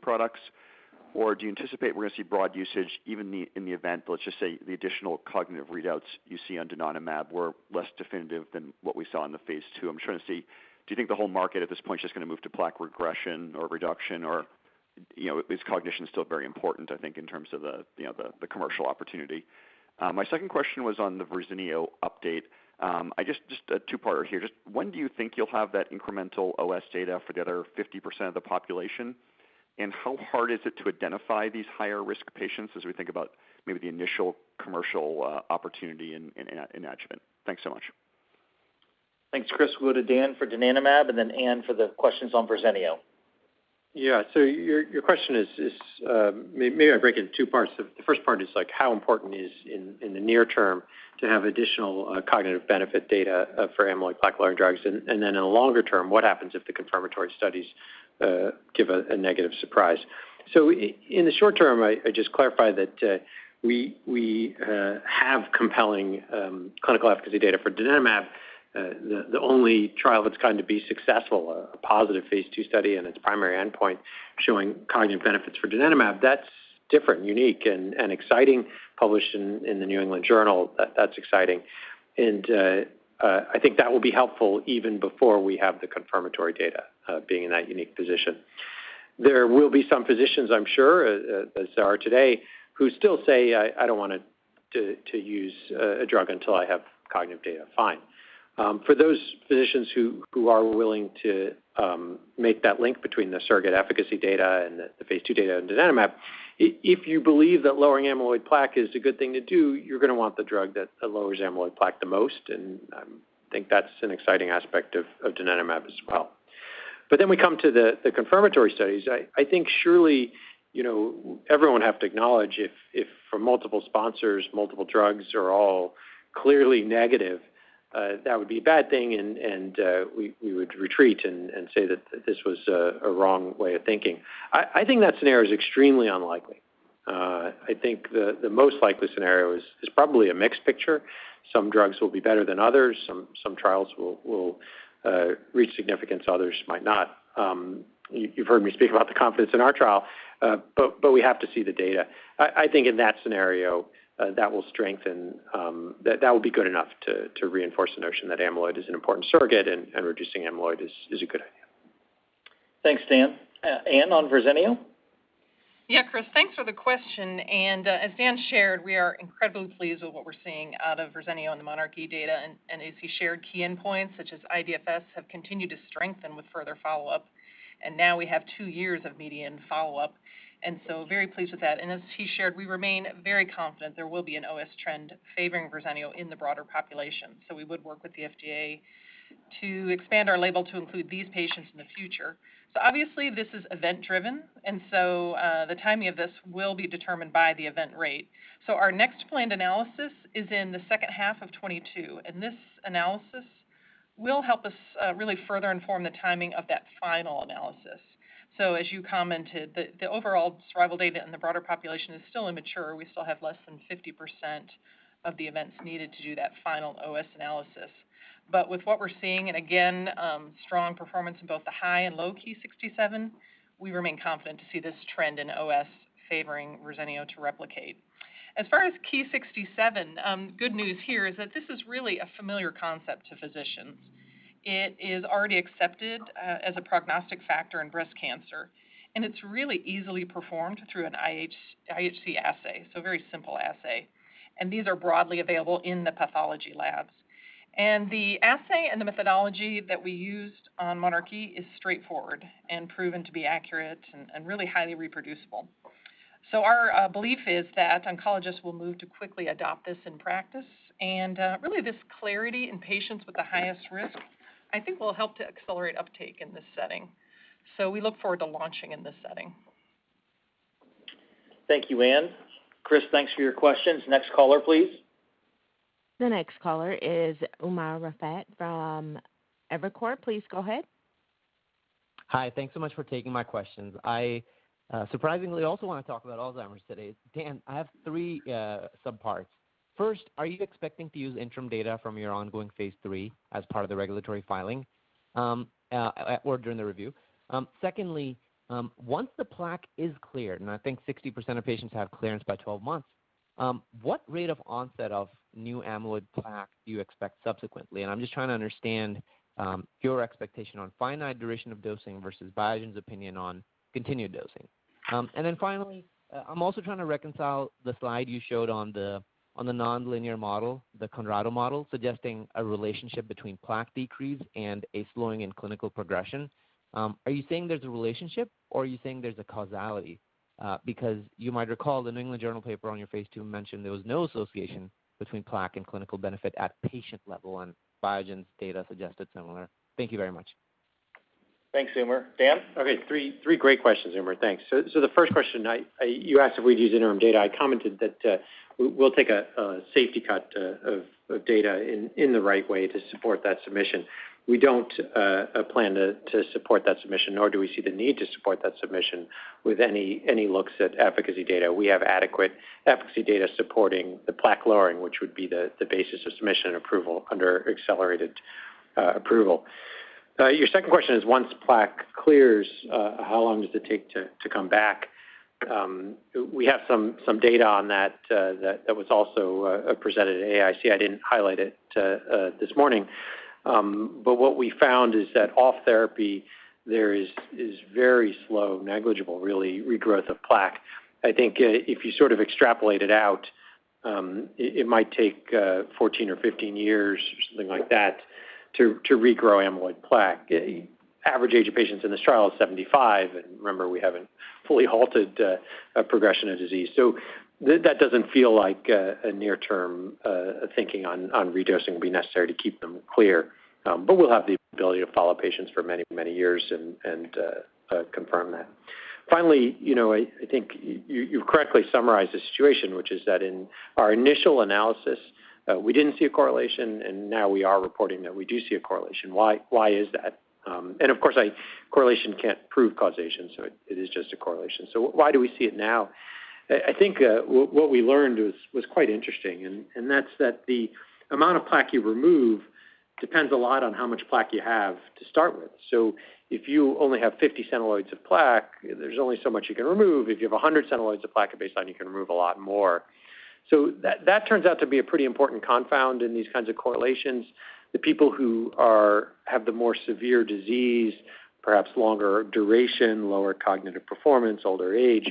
products? Do you anticipate we're going to see broad usage even in the event, let's just say, the additional cognitive readouts you see on donanemab were less definitive than what we saw in the phase II? I'm trying to see, do you think the whole market at this point is just going to move to plaque regression or reduction? Is cognition still very important, I think, in terms of the commercial opportunity? My second question was on the Verzenio update. Just a two-parter here. Just when do you think you'll have that incremental OS data for the other 50% of the population? How hard is it to identify these higher-risk patients as we think about maybe the initial commercial opportunity in adjuvant? Thanks so much. Thanks, Chris. We'll go to Dan for donanemab and then Anne for the questions on Verzenio. Yeah. Your question is, maybe I can break it into two parts. The first part is how important it is in the near term to have additional cognitive benefit data for amyloid plaque-lowering drugs? In the longer term, what happens if the confirmatory studies give a negative surprise? In the short term, I just want to clarify that we have compelling clinical efficacy data for donanemab. The only trial that's going to be successful is, a positive phase II study in its primary endpoint showing cognitive benefits for donanemab. That's different, unique, and exciting, published in "The New England Journal." That's exciting. I think that will be helpful even before we have the confirmatory data, being in that unique position. There will be some physicians, I'm sure, as there are today, who still say, "I don't want to use a drug until I have cognitive data." Fine. For those physicians who are willing to make that link between the surrogate efficacy data and the phase II data on donanemab, if you believe that lowering amyloid plaque is a good thing to do, you're going to want the drug that lowers amyloid plaque the most, and I think that's an exciting aspect of donanemab as well. We come to the confirmatory studies. I think surely, everyone will have to acknowledge that if for multiple sponsors, multiple drugs are all clearly negative, that would be a bad thing, and we would retreat and say that this was a wrong way of thinking. I think that scenario is extremely unlikely. I think the most likely scenario is probably a mixed picture. Some drugs will be better than others. Some trials will reach significance, others might not. You've heard me speak about the confidence in our trial, but we have to see the data. I think in that scenario, that will be good enough to reinforce the notion that amyloid is an important surrogate and reducing amyloid is a good idea. Thanks, Dan. Anne, on Verzenio? Yeah, Chris, thanks for the question. As Dan shared, we are incredibly pleased with what we're seeing out of Verzenio on the monarchE data. As he shared, key endpoints such as IDFS have continued to strengthen with further follow-up. Now we have two years of median follow-up, very pleased with that. We would work with the FDA to expand our label to include these patients in the future. Obviously, this is event-driven; the timing of this will be determined by the event rate. Our next planned analysis is in the second half of 2022; this analysis will help us further inform the timing of that final analysis. As you commented, the overall survival data in the broader population is still immature. We still have less than 50% of the events needed to do that final OS analysis. With what we're seeing, and again, strong performance in both the high and low Ki-67, we remain confident to see this trend in OS favoring Verzenio to replicate. As far as Ki-67, good news here is that this is really a familiar concept to physicians. It is already accepted as a prognostic factor in breast cancer, and it's really easily performed through an IHC assay, so a very simple assay. These are broadly available in the pathology labs. The assay and the methodology that we used on monarchE are straightforward and proven to be accurate and highly reproducible. Our belief is that oncologists will move to quickly adopt this in practice. Really, this clarity in patients with the highest risk, I think, will help to accelerate uptake in this setting. We look forward to launching in this setting. Thank you, Anne. Chris, thanks for your questions. Next caller, please. The next caller is Umer Raffat from Evercore. Please go ahead. Hi. Thanks so much for taking my questions. I surprisingly also want to talk about Alzheimer's today. Dan, I have three sub-parts. First, are you expecting to use interim data from your ongoing phase III as part of the regulatory filing or during the review? Secondly, once the plaque is cleared, and I think 60% of patients have clearance by 12 months, what rate of onset of new amyloid plaque do you expect subsequently? I'm just trying to understand your expectation on the finite duration of dosing versus Biogen's opinion on continued dosing. Finally, I'm also trying to reconcile the slide you showed on the nonlinear model, the Conrado model, suggesting a relationship between plaque decrease and a slowing in clinical progression. Are you saying there's a relationship, or are you saying there's causality? You might recall the New England Journal paper on your phase II mentioned there was no association between plaque and clinical benefit at the patient level. Biogen's data suggested similar. Thank you very much. Thanks, Umer. Dan? Three great questions, Umer. Thanks. The first question you asked if we'd use interim data. I commented that we'll take a safety cut of data in the right way to support that submission. We don't plan to support that submission, nor do we see the need to support that submission with any looks at efficacy data. We have adequate efficacy data supporting the plaque-lowering, which would be the basis of submission and approval under accelerated approval. Your second question is, once plaque clears, how long does it take to come back? We have some data on that that was also presented at AAIC. I didn't highlight it this morning. What we found is that off therapy, there is very slow, negligible, really, regrowth of plaque. I think if you sort of extrapolate it out, it might take 14 or 15 years or something like that to regrow amyloid plaque. The average age of patients in this trial is 75. Remember, we haven't fully halted the progression of the disease. That doesn't feel like near-term thinking on redosing will be necessary to keep them clear. We'll have the ability to follow patients for many years and confirm that. Finally, I think you've correctly summarized the situation, which is that in our initial analysis, we didn't see a correlation; now we are reporting that we do see a correlation. Why is that? Of course, correlation can't prove causation; it is just a correlation. Why do we see it now? I think what we learned was quite interesting, that's that the amount of plaque you remove depends a lot on how much plaque you have to start with. If you only have 50 centiloids of plaque, there's only so much you can remove. If you have 100 centiloids of plaque at baseline, you can remove a lot more. That turns out to be a pretty important confound in these kinds of correlations. The people who have the more severe disease, perhaps longer duration, lower cognitive performance, and older age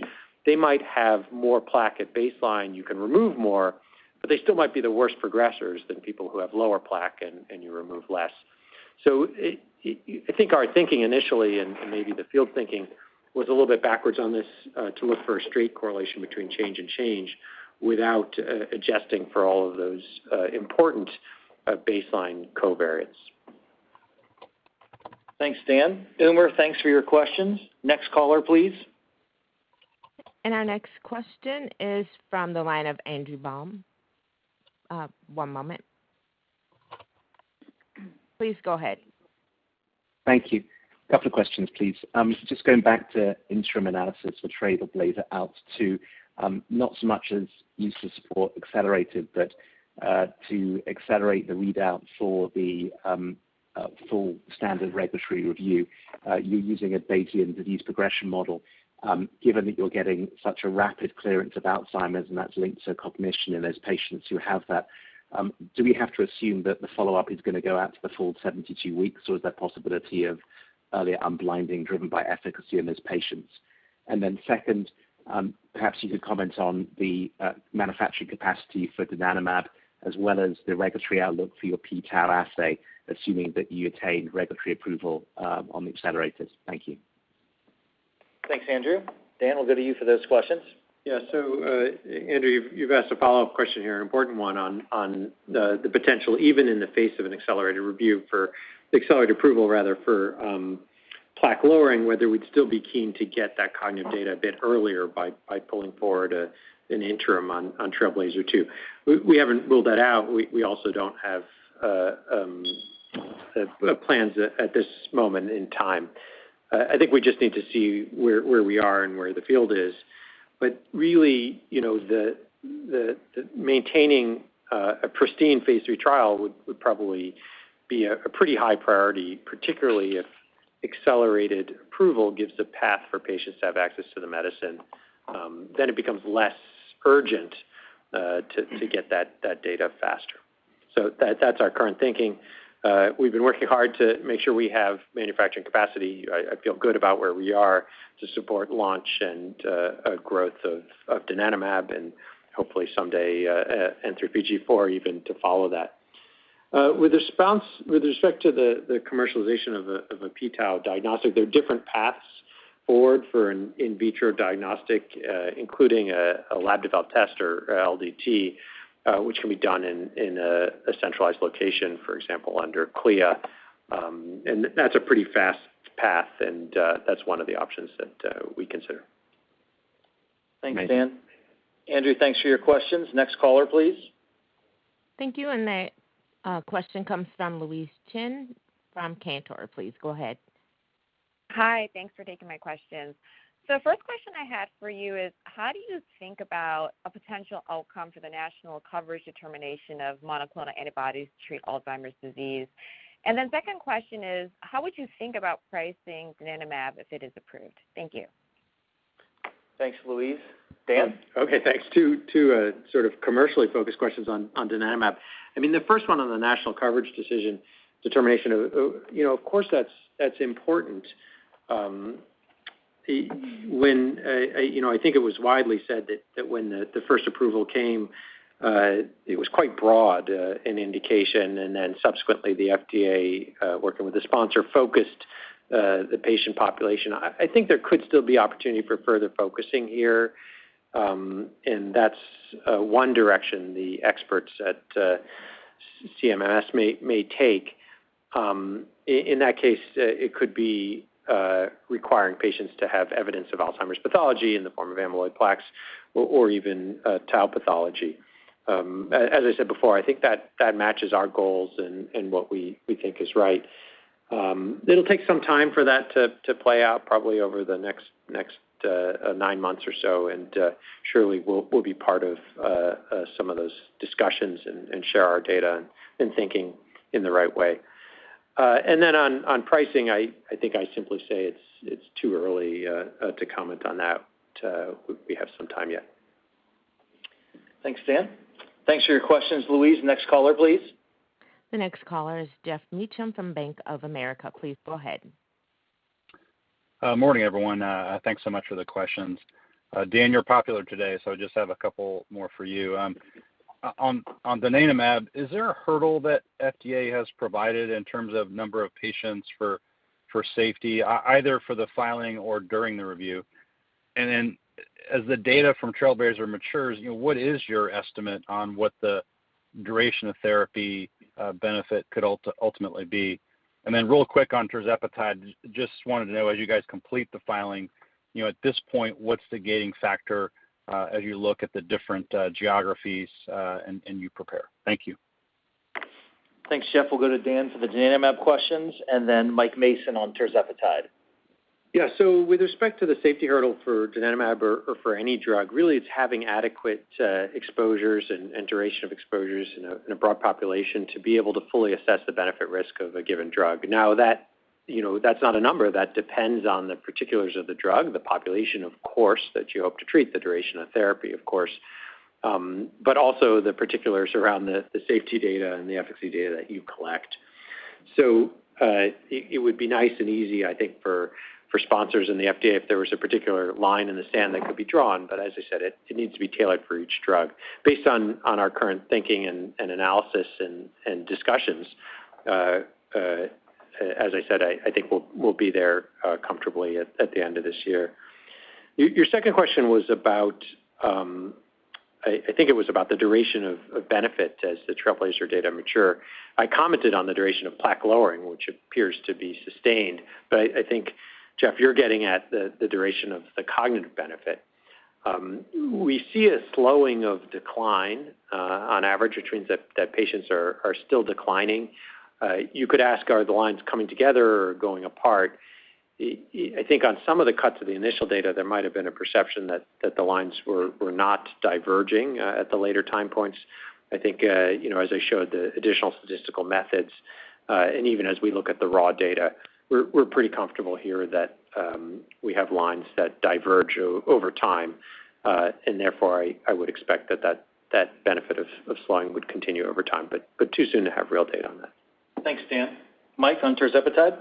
might have more plaque at baseline. You can remove more, but they still might be the worst progressors than people who have lower plaque, and you remove less. I think our thinking initially, and maybe the field thinking, was a little bit backwards on this to look for a straight correlation between change and change without adjusting for all of those important baseline covariates. Thanks, Dan. Umer, thanks for your questions. Next caller, please. Our next question is from the line of Andrew Baum. One moment. Please go ahead. Thank you. Couple of questions, please. Just going back to interim analysis for TRAILBLAZER-ALZ 2, not so much as a use to support accelerated, but to accelerate the readout for the full standard regulatory review. You're using a Bayesian disease progression model. Given that you're getting such a rapid clearance of Alzheimer's, and that's linked to cognition in those patients who have that, do we have to assume that the follow-up is going to go out to the full 72 weeks, or is there a possibility of earlier unblinding driven by efficacy in those patients? Second, perhaps you could comment on the manufacturing capacity for donanemab as well as the regulatory outlook for your p-tau assay, assuming that you attain regulatory approval on the accelerated. Thank you. Thanks, Andrew. Dan, we'll go to you for those questions. Andrew, you've asked a follow-up question here, an important one on the potential, even in the face of an accelerated approval for plaque-lowering, whether we'd still be keen to get that cognitive data a bit earlier by pulling forward an interim on TRAILBLAZER-ALZ 2. We haven't ruled that out. We also don't have plans at this moment in time. I think we just need to see where we are and where the field is. Really, maintaining a pristine phase III trial would probably be a pretty high priority, particularly if accelerated approval gives the path for patients to have access to the medicine. It becomes less urgent to get that data faster. That's our current thinking. We've been working hard to make sure we have manufacturing capacity. I feel good about where we are to support the launch and growth of donanemab and hopefully someday N3pG even to follow that. With respect to the commercialization of a p-tau diagnostic, there are different paths forward for an in vitro diagnostic, including a lab-developed test or LDT, which can be done in a centralized location, for example, under CLIA. That's a pretty fast path, and that's one of the options that we consider. Thanks, Dan. Andrew, thanks for your questions. Next caller, please. Thank you. That question comes from Louise Chen from Cantor. Please go ahead. Hi. Thanks for taking my questions. First question I had for you is, how do you think about a potential outcome for the National Coverage Determination of monoclonal antibodies to treat Alzheimer's disease? The second question is, how would you think about pricing donanemab if it is approved? Thank you. Thanks, Louise. Dan? Okay, thanks. Two sorts of commercially focused questions on donanemab. The first one on the national coverage decision determination, of course, that's important. I think it was widely said that when the first approval came, it was quite a broad indication, and then subsequently the FDA, working with the sponsor, focused the patient population. I think there could still be an opportunity for further focusing here, and that's one direction the experts at CMS may take. In that case, it could require patients to have evidence of Alzheimer's pathology in the form of amyloid plaques or even tau pathology. As I said before, I think that matches our goals and what we think is right. It'll take some time for that to play out, probably over the next nine months or so, and surely we'll be part of some of those discussions and share our data and thinking in the right way. Then on pricing, I think, on I simply say it's too early to comment on that. We have some time yet. Thanks, Dan. Thanks for your questions, Louise. Next caller, please. The next caller is Geoff Meacham from Bank of America. Please go ahead. Morning, everyone. Thanks so much for the questions. Dan, you're popular today, so I just have a couple more for you. On donanemab, is there a hurdle that FDA has provided in terms of the number of patients for safety, either for the filing or during the review? As the data from TRAILBLAZER-ALZ matures, what is your estimate on what the duration of therapy benefit could ultimately be? Real quick on tirzepatide, just wanted to know as you guys complete the filing, at this point, what's the gating factor as you look at the different geographies and you prepare? Thank you. Thanks, Geoff. We'll go to Dan for the donanemab questions and then Mike Mason on tirzepatide. With respect to the safety hurdle for donanemab or for any drug, really, it's having adequate exposures and duration of exposures in a broad population to be able to fully assess the benefit risk of a given drug. That's not a number. That depends on the particulars of the drug, the population, of course, that you hope to treat, the duration of therapy, of course, but also the particulars around the safety data and the efficacy data that you collect. It would be nice and easy, I think, for sponsors in the FDA if there was a particular line in the sand that could be drawn. As I said, it needs to be tailored for each drug. Based on our current thinking and analysis and discussions, as I said, I think we'll be there comfortably at the end of this year. Your second question was about, I think it was about the duration of benefit as the TRAILBLAZER-ALZ data mature. I commented on the duration of plaque-lowering, which appears to be sustained. I think, Geoff, you're getting at the duration of the cognitive benefit. We see a slowing of decline on average, which means that patients are still declining. You could ask, are the lines coming together or going apart? I think on some of the cuts of the initial data, there might have been a perception that the lines were not diverging at the later time points. I think as I showed the additional statistical methods, and even as we look at the raw data, we're pretty comfortable here that we have lines that diverge over time. Therefore, I would expect that benefit of slowing would continue over time, but too soon to have real data on that. Thanks, Dan. Mike, on tirzepatide?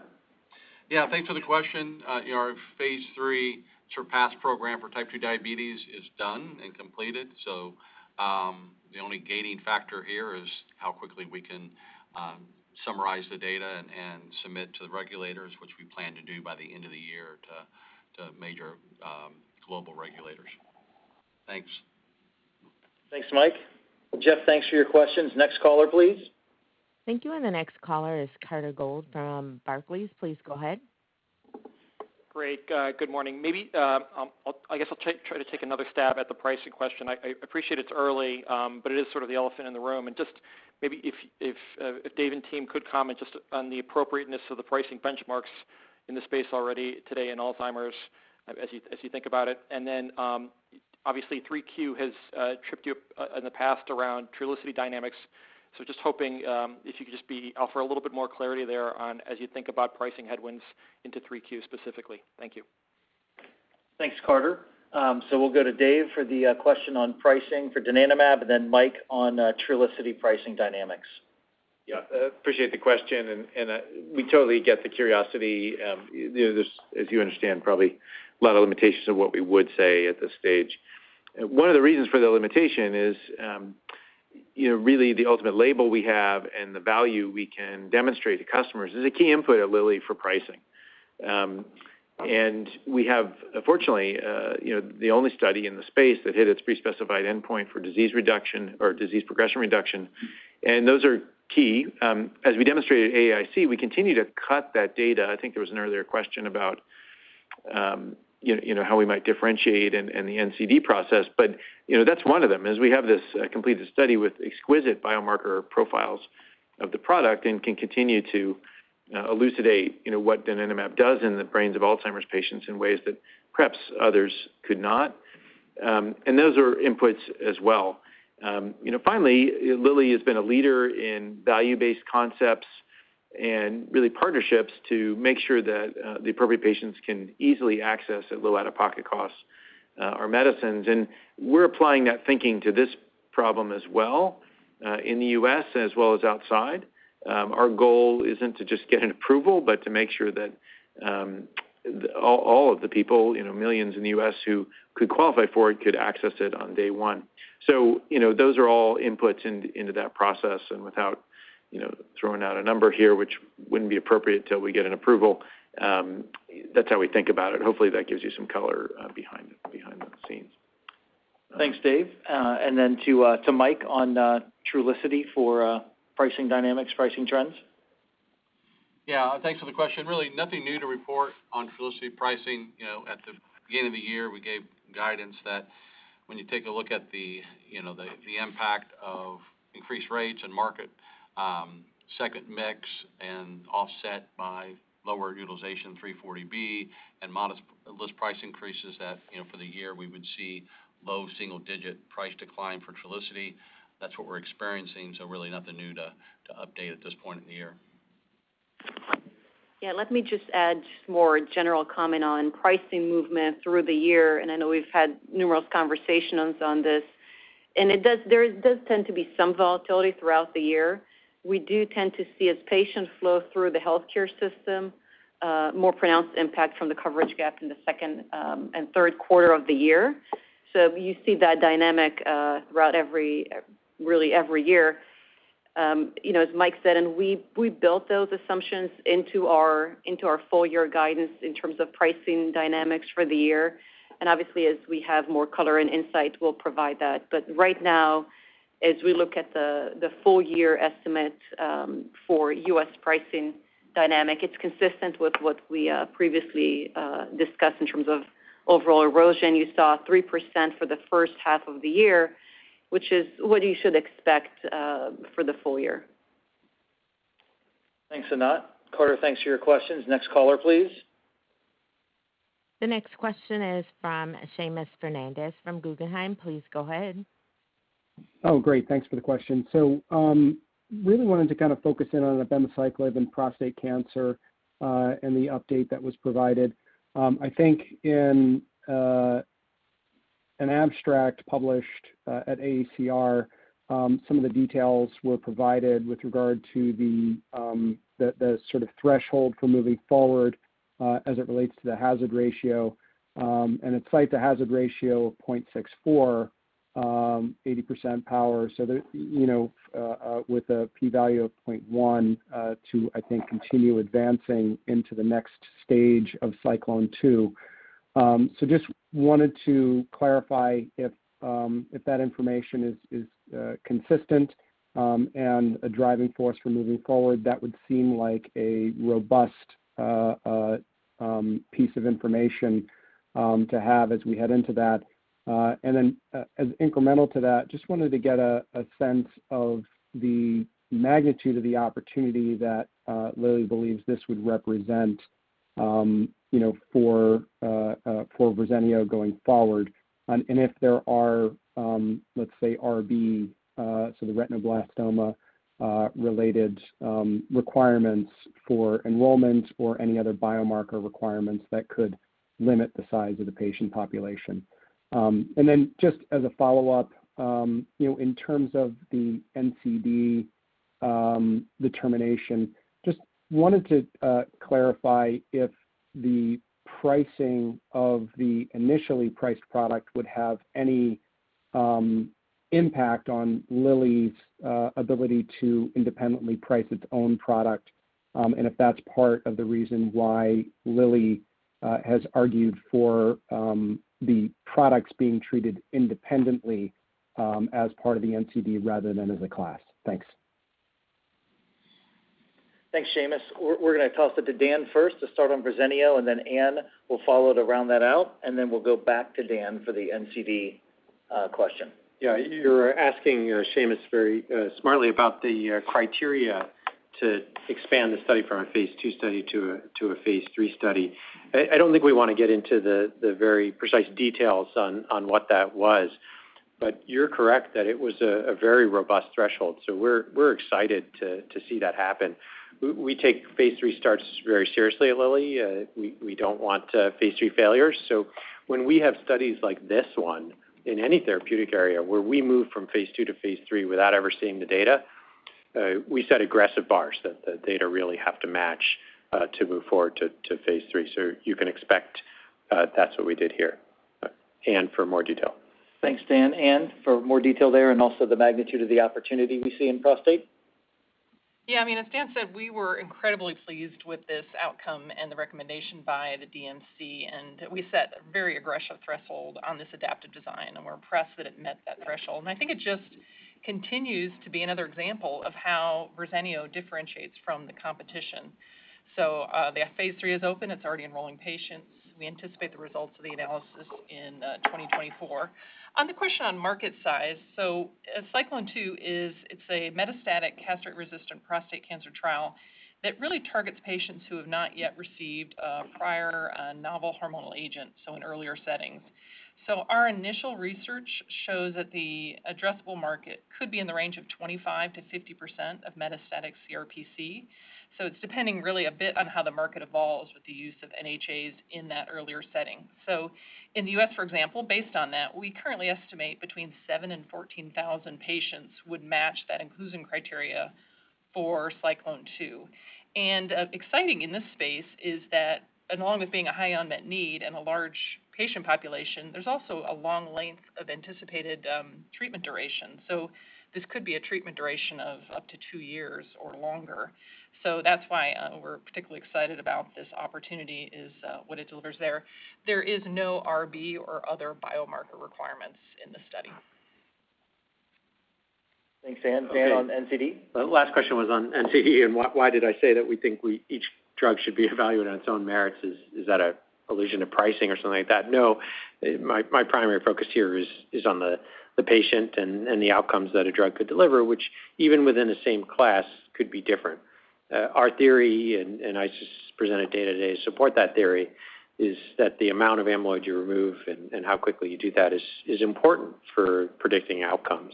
Yeah, thanks for the question. Our phase III SURPASS program for type 2 diabetes is done and completed. The only gating factor here is how quickly we can summarize the data and submit to the regulators, which we plan to do by the end of the year to major global regulators. Thanks. Thanks, Mike. Geoff, thanks for your questions. Next caller, please. Thank you. The next caller is Carter Gould from Barclays. Please go ahead. Great. Good morning. I guess I'll try to take another stab at the pricing question. I appreciate it's early, but it is sort of the elephant in the room. Just maybe if Dave and team could comment just on the appropriateness of the pricing benchmarks in the space already today in Alzheimer's as you think about it. Then obviously 3Q has tripped you up in the past around Trulicity dynamics. Just hoping if you could just offer a little bit more clarity there as you think about pricing headwinds into 3Q specifically. Thank you. Thanks, Carter. We'll go to Dave for the question on pricing for donanemab and then Mike on Trulicity pricing dynamics. Appreciate the question, we totally get the curiosity. There's, as you understand, probably a lot of limitations on what we would say at this stage. One of the reasons for the limitation is really the ultimate label we have, and the value we can demonstrate to customers is a key input at Lilly for pricing. We have, fortunately, the only study in the space that hit its pre-specified endpoint for disease reduction or disease progression reduction, and those are key. As we demonstrated at AAIC, we continue to cut that data. I think there was an earlier question about how we might differentiate in the NCD process. That's one of them, we have this completed study with exquisite biomarker profiles of the product and can continue to elucidate what donanemab does in the brains of Alzheimer's patients in ways that perhaps others could not. Those are inputs as well. Finally, Lilly has been a leader in value-based concepts and partnerships to make sure that the appropriate patients can easily access, at low out-of-pocket costs, our medicines. We're applying that thinking to this problem in the U.S. as well as outside. Our goal isn't to just get an approval, but to make sure that all of the people, millions in the U.S. who could qualify for it, could access it on day one. Those are all inputs into that process, and without throwing out a number here, which wouldn't be appropriate till we get an approval, that's how we think about it. Hopefully, that gives you some color behind the scenes. Thanks, Dave. Then to Mike on Trulicity for pricing dynamics, pricing trends. Yeah. Thanks for the question. Really nothing new to report on Trulicity pricing. At the beginning of the year, we gave guidance that when you take a look at the impact of increased rates and market, second mix and offset by lower utilization 340B and modest list price increases that, for the year we would see a low single-digit price decline for Trulicity. That's what we're experiencing, so really nothing new to update at this point in the year. Yeah, let me just add more general comment on pricing movement through the year. I know we've had numerous conversations on this. There does tend to be some volatility throughout the year. We do tend to see as patients flow through the healthcare system, a more pronounced impact from the coverage gap in the second and third quarter of the year. You see that dynamic throughout really every year. As Mike said. We built those assumptions into our full-year guidance in terms of pricing dynamics for the year. Obviously, as we have more color and insight, we'll provide that. Right now, as we look at the full-year estimate for U.S. pricing dynamic, it's consistent with what we previously discussed in terms of overall erosion. You saw 3% for the first half of the year, which is what you should expect for the full year. Thanks, Anat. Carter, thanks for your questions. Next caller, please. The next question is from Seamus Fernandez from Guggenheim. Please go ahead. Great. Thanks for the question. Really wanted to kind of focus in on abemaciclib and prostate cancer, and the update that was provided. I think in an abstract published at ASCO, some of the details were provided with regard to the sort of threshold for moving forward, as it relates to the hazard ratio, and a site that has a ratio of 0.64, 80% power. With a p-value of 0.1 to, I think, continue advancing into the next stage of CYCLONE 2. Just wanted to clarify if that information is consistent and a driving force for moving forward, that would seem like a robust piece of information to have as we head into that. As incremental to that, just wanted to get a sense of the magnitude of the opportunity that Lilly believes this would represent for Verzenio going forward. If there are, let's say, RB, so the retinoblastoma-related requirements for enrollment or any other biomarker requirements that could limit the size of the patient population. Just as a follow-up, in terms of the NCD determination, just wanted to clarify if the pricing of the initially priced product would have any impact on Lilly's ability to independently price its own product. If that's part of the reason why Lilly has argued for the products being treated independently as part of the NCD rather than as a class. Thanks. Thanks, Seamus. We're going to toss it to Dan first to start on Verzenio, and then Anne will follow to round that out, and then we'll go back to Dan for the NCD question. You're asking, Seamus, very smartly about the criteria to expand the study from a phase II study to a phase III study. I don't think we want to get into the very precise details on what that was. You're correct that it was a very robust threshold. We're excited to see that happen. We take phase III very seriously at Lilly. We don't want phase III failures. When we have studies like this one in any therapeutic area, we move from phase II to phase III without ever seeing the data. We set aggressive bars that the data really have to match to move forward to phase III. You can expect that's what we did here. Anne, for more details. Thanks, Dan. Anne, for more detail, there and also the magnitude of the opportunity we see in prostate? Yeah, as Dan said, we were incredibly pleased with this outcome and the recommendation by the DMC, and we set a very aggressive threshold on this adaptive design, and we're impressed that it met that threshold. I think it just continues to be another example of how Verzenio differentiates from the competition. The phase III is open. It's already enrolling patients. We anticipate the results of the analysis in 2024. On the question of market size, CYCLONE 2 is a metastatic castrate-resistant prostate cancer trial that really targets patients who have not yet received a prior novel hormonal agent, so in earlier settings. Our initial research shows that the addressable market could be in the range of 25%-50% of metastatic CRPC. It's depending really a bit on how the market evolves with the use of NHAs in that earlier setting. In the U.S., for example, based on that, we currently estimate between 7,000 and 14,000 patients would match the inclusion criteria for CYCLONE 2. Exciting in this space is that along with being a high unmet need and a large patient population, there's also a long length of anticipated treatment duration. This could be a treatment duration of up to two years or longer. That's why we're particularly excited about this opportunity is what it delivers there. There is no RB or other biomarker requirements in the study. Thanks, Anne. Dan, on NCD? The last question was on NCD, and why did I say that we think each drug should be evaluated on its own merits? Is that an allusion to pricing or something like that? No. My primary focus here is on the patient and the outcomes that a drug could deliver, which even within the same class could be different. Our theory, and I just presented data today to support that theory, is that the amount of amyloid you remove and how quickly you do that is important for predicting outcomes.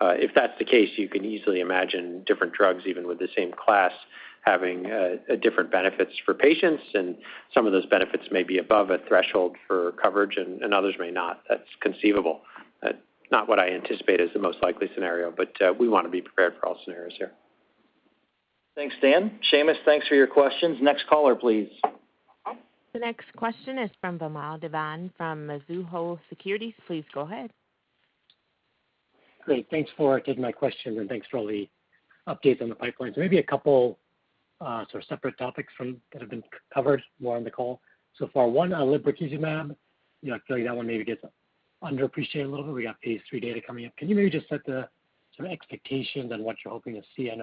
If that's the case, you can easily imagine different drugs, even with the same class, having different benefits for patients, and some of those benefits may be above a threshold for coverage, and others may not. That's conceivable. Not what I anticipate is the most likely scenario, but we want to be prepared for all scenarios here. Thanks, Dan. Seamus, thanks for your questions. Next caller, please. The next question is from Vamil Divan from Mizuho Securities. Please go ahead. Great. Thanks for taking my questions, and thanks for all the updates on the pipelines. Maybe a couple sort of separate topics that have been covered more on the call so far. One, lebrikizumab, I feel like that one maybe gets underappreciated a little bit. We got phase III data coming up. Can you maybe just set the sort of expectations on what you're hoping to see? I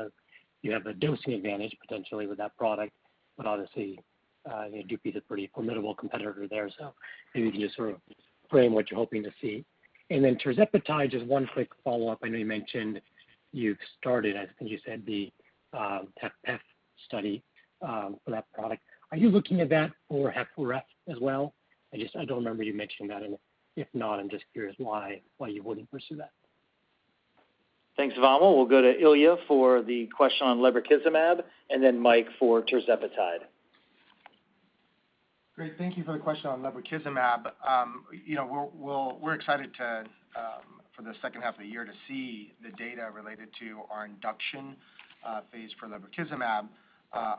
know you have a dosing advantage potentially with that product, but obviously, Dupixent is a pretty formidable competitor there, so maybe you can sort of frame what you're hoping to see? Then, tirzepatide, just one quick follow-up. I know you mentioned you've started, I think you said the HFpEF study for that product. Are you looking at that for HFrEF as well? I don't remember you mentioning that. If not, I'm just curious why you wouldn't pursue that. Thanks, Vamil. We'll go to Ilya for the question on lebrikizumab and then Mike for tirzepatide. Great. Thank you for the question on lebrikizumab. We're excited for the second half of the year to see the data related to our induction phase for lebrikizumab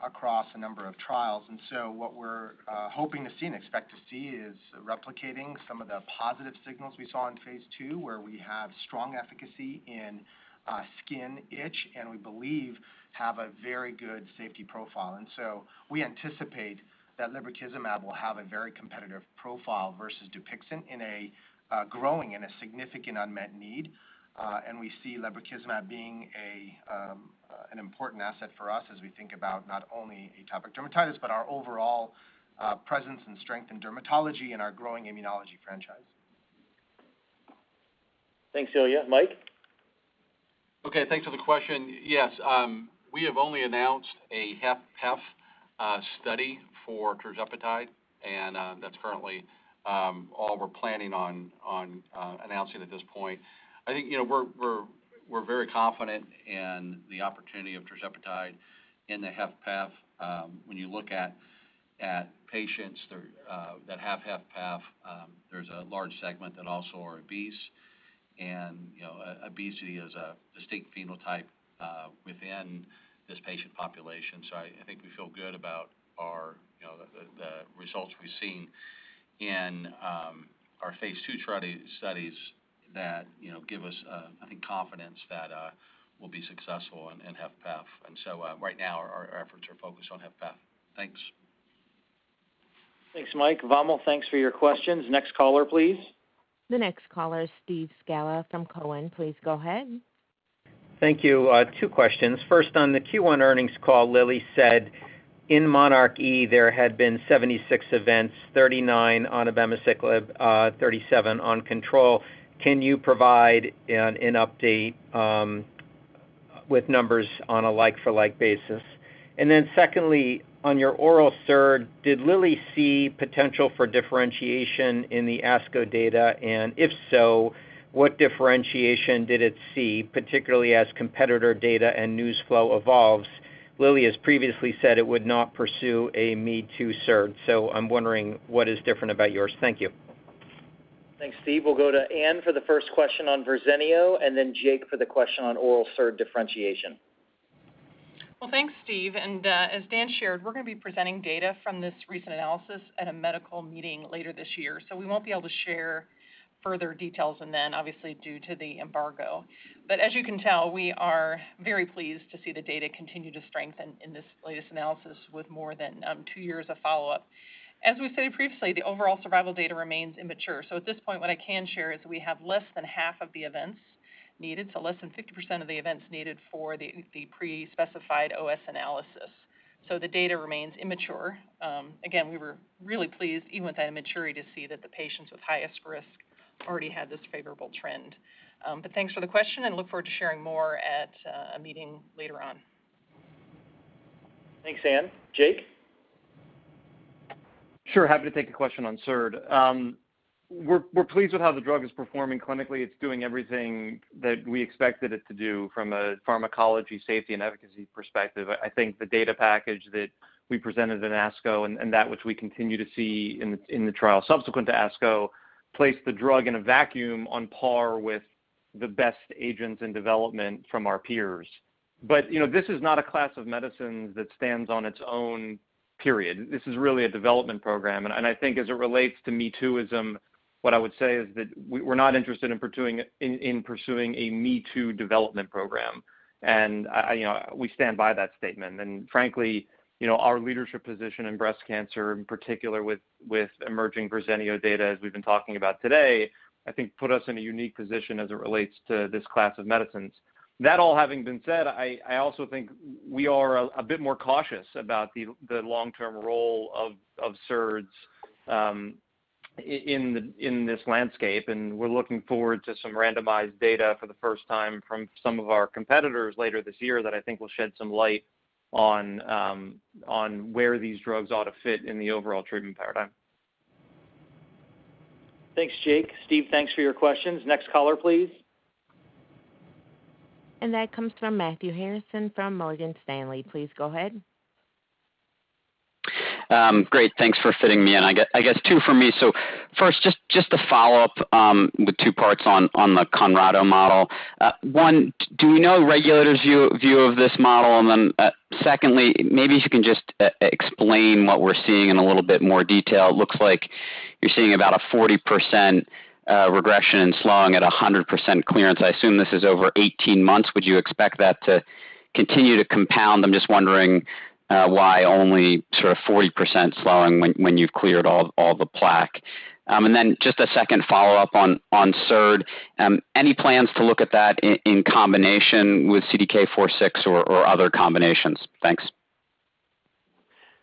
across a number of trials. What we're hoping to see and expect to see is replicating some of the positive signals we saw in phase II, where we have strong efficacy in skin itch, and we believe have a very good safety profile. We anticipate that lebrikizumab will have a very competitive profile versus Dupixent in a growing and significant unmet need. We see lebrikizumab as an important asset for us as we think about not only atopic dermatitis, but also our overall presence and strength in dermatology and our growing immunology franchise. Thanks, Ilya. Mike? Okay. Thanks for the question. Yes. We have only announced a HFpEF study for tirzepatide; that's currently all we're planning on announcing at this point. I think we're very confident in the opportunity of tirzepatide in the HFpEF. When you look at patients who have HFpEF, there's a large segment that also are obese; obesity is a distinct phenotype within this patient population. I think we feel good about the results we've seen in our phase II studies, that give us, I think, confidence that we'll be successful in HFpEF. Right now, our efforts are focused on HFpEF. Thanks. Thanks, Mike. Vamil, thanks for your questions. Next caller, please. The next caller is Steve Scala from Cowen. Please go ahead. Thank you. Two questions. First, on the Q1 earnings call, Lilly said in monarchE there had been 76 events, 39 on abemaciclib, 37 on control. Can you provide an update with numbers on a like-for-like basis? Secondly, on your oral SERD, did Lilly see potential for differentiation in the ASCO data? If so, what differentiation did it see, particularly as competitor data and news flow evolve? Lilly has previously said it would not pursue a me-too SERD I'm wondering what is different about yours. Thank you. Thanks, Steve. We'll go to Anne for the first question on Verzenio, and then to Jake for the question on oral SERD differentiation. Well, thanks, Steve. As Dan shared, we're going to be presenting data from this recent analysis at a medical meeting later this year. We won't be able to share further details than that, obviously, due to the embargo. As you can tell, we are very pleased to see the data continue to strengthen in this latest analysis with more than two years of follow-up. As we stated previously, the overall survival data remains immature. At this point, what I can share is that we have less than half of the events needed, so less than 50% of the events needed for the pre-specified OS analysis. The data remains immature. Again, we were really pleased, even with that immaturity, to see that the patients with the highest risk already had this favorable trend. Thanks for the question, and I look forward to sharing more at a meeting later on. Thanks, Anne. Jake? Sure. Happy to take a question on SERD. We're pleased with how the drug is performing clinically. It's doing everything that we expected it to do from a pharmacology, safety, and efficacy perspective. I think the data package that we presented at ASCO and that which we continue to see in the trial subsequent to ASCO, places the drug in a vacuum on par with the best agents in development from our peers. This is not a class of medicines that stands on its own, period. This is really a development program. I think, as it relates to me-tooism, what I would say is that we're not interested in pursuing a me-too development program. We stand by that statement. Frankly, our leadership position in breast cancer, in particular with emerging Verzenio data as we've been talking about today, I think puts us in a unique position as it relates to this class of medicines. That all having been said, I also think we are a bit more cautious about the long-term role of SERDs in this landscape, and we're looking forward to some randomized data for the first time from some of our competitors later this year that I think will shed some light on where these drugs ought to fit in the overall treatment paradigm. Thanks, Jake. Steve, thanks for your questions. Next caller, please. That comes from Matthew Harrison from Morgan Stanley. Please go ahead. Great. Thanks for fitting me in. I guess two from me. First, just a follow-up with two parts on the Conrado model. One, do we know the regulators' view of this model? Secondly, maybe if you can just explain what we're seeing in a little bit more detail. It looks like you're seeing about a 40% regression in slowing at 100% clearance. I assume this is over 18 months. Would you expect that to continue to compound? I'm just wondering why only sort of 40% slowing when you've cleared all the plaque. Just a second follow-up on SERD. Any plans to look at that in combination with CDK4/6 or other combinations? Thanks.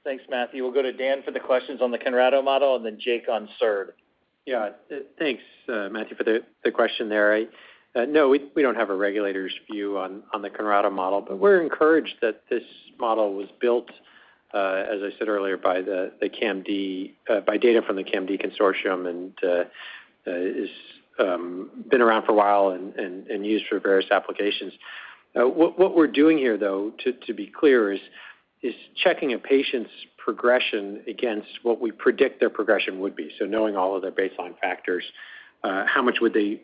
Thanks, Matthew. We'll go to Dan for the questions on the Conrado model and then to Jake on SERD. Yeah. Thanks, Matthew, for the question there. No, we don't have a regulator's view on the Conrado model, but we're encouraged that this model was built, as I said earlier, by data from the CAMD consortium, and it's been around for a while and used for various applications. What we're doing here, though, to be clear, is checking a patient's progression against what we predict their progression would be. Knowing all of their baseline factors, how much would they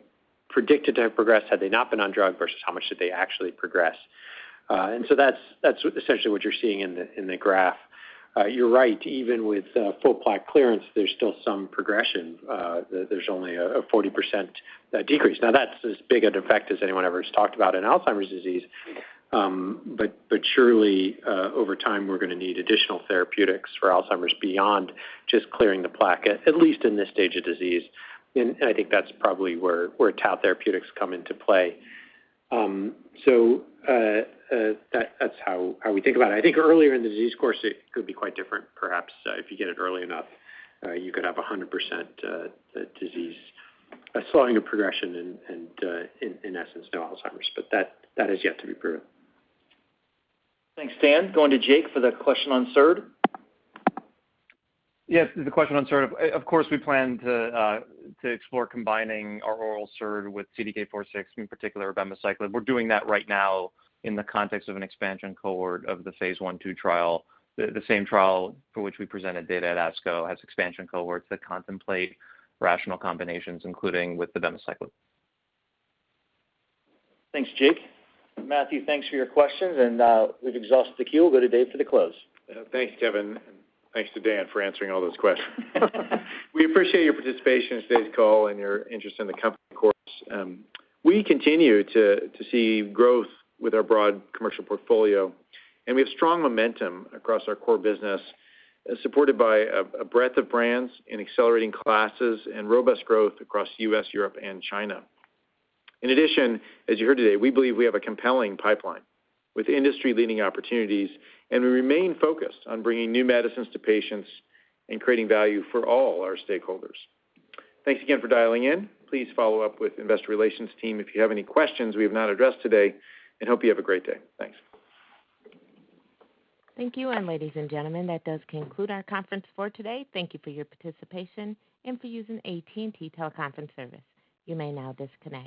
predicted to have progressed had they not been on the drug versus how much did they actually progress? That's essentially what you're seeing in the graph. You're right. Even with full plaque clearance, there's still some progression. There's only a 40% decrease. That's as big an effect as anyone has ever talked about in Alzheimer's disease. Surely, over time, we're going to need additional therapeutics for Alzheimer's beyond just clearing the plaque, at least in this stage of disease. I think that's probably where tau therapeutics comes into play. That's how we think about it. I think earlier in the disease course, it could be quite different, perhaps. If you get it early enough, you could have 100% slowing of progression and, in essence, no Alzheimer's. That has yet to be proven. Thanks, Dan. Going to Jake for the question on SERD. Yes, the question on SERD. Of course, we plan to explore combining our oral SERD with CDK4/6, in particular abemaciclib. We're doing that right now in the context of an expansion cohort of the phase I/II trial. The same trial for which we presented data at ASCO has expansion cohorts that contemplate rational combinations, including with abemaciclib. Thanks, Jake. Matthew, thanks for your questions. We've exhausted the queue. We'll go to Dave for the close. Thanks, Kevin, and thanks to Dan for answering all those questions. We appreciate your participation in today's call and your interest in the company, of course. We continue to see growth with our broad commercial portfolio, and we have strong momentum across our core business, supported by a breadth of brands and accelerating classes and robust growth across the U.S., Europe, and China. In addition, as you heard today, we believe we have a compelling pipeline with industry-leading opportunities, and we remain focused on bringing new medicines to patients and creating value for all our stakeholders. Thanks again for dialing in. Please follow up with the Investor Relations team if you have any questions we have not addressed today, and hope you have a great day. Thanks. Thank you. Ladies and gentlemen, that does conclude our conference for today. Thank you for your participation and for using the AT&T Teleconference service.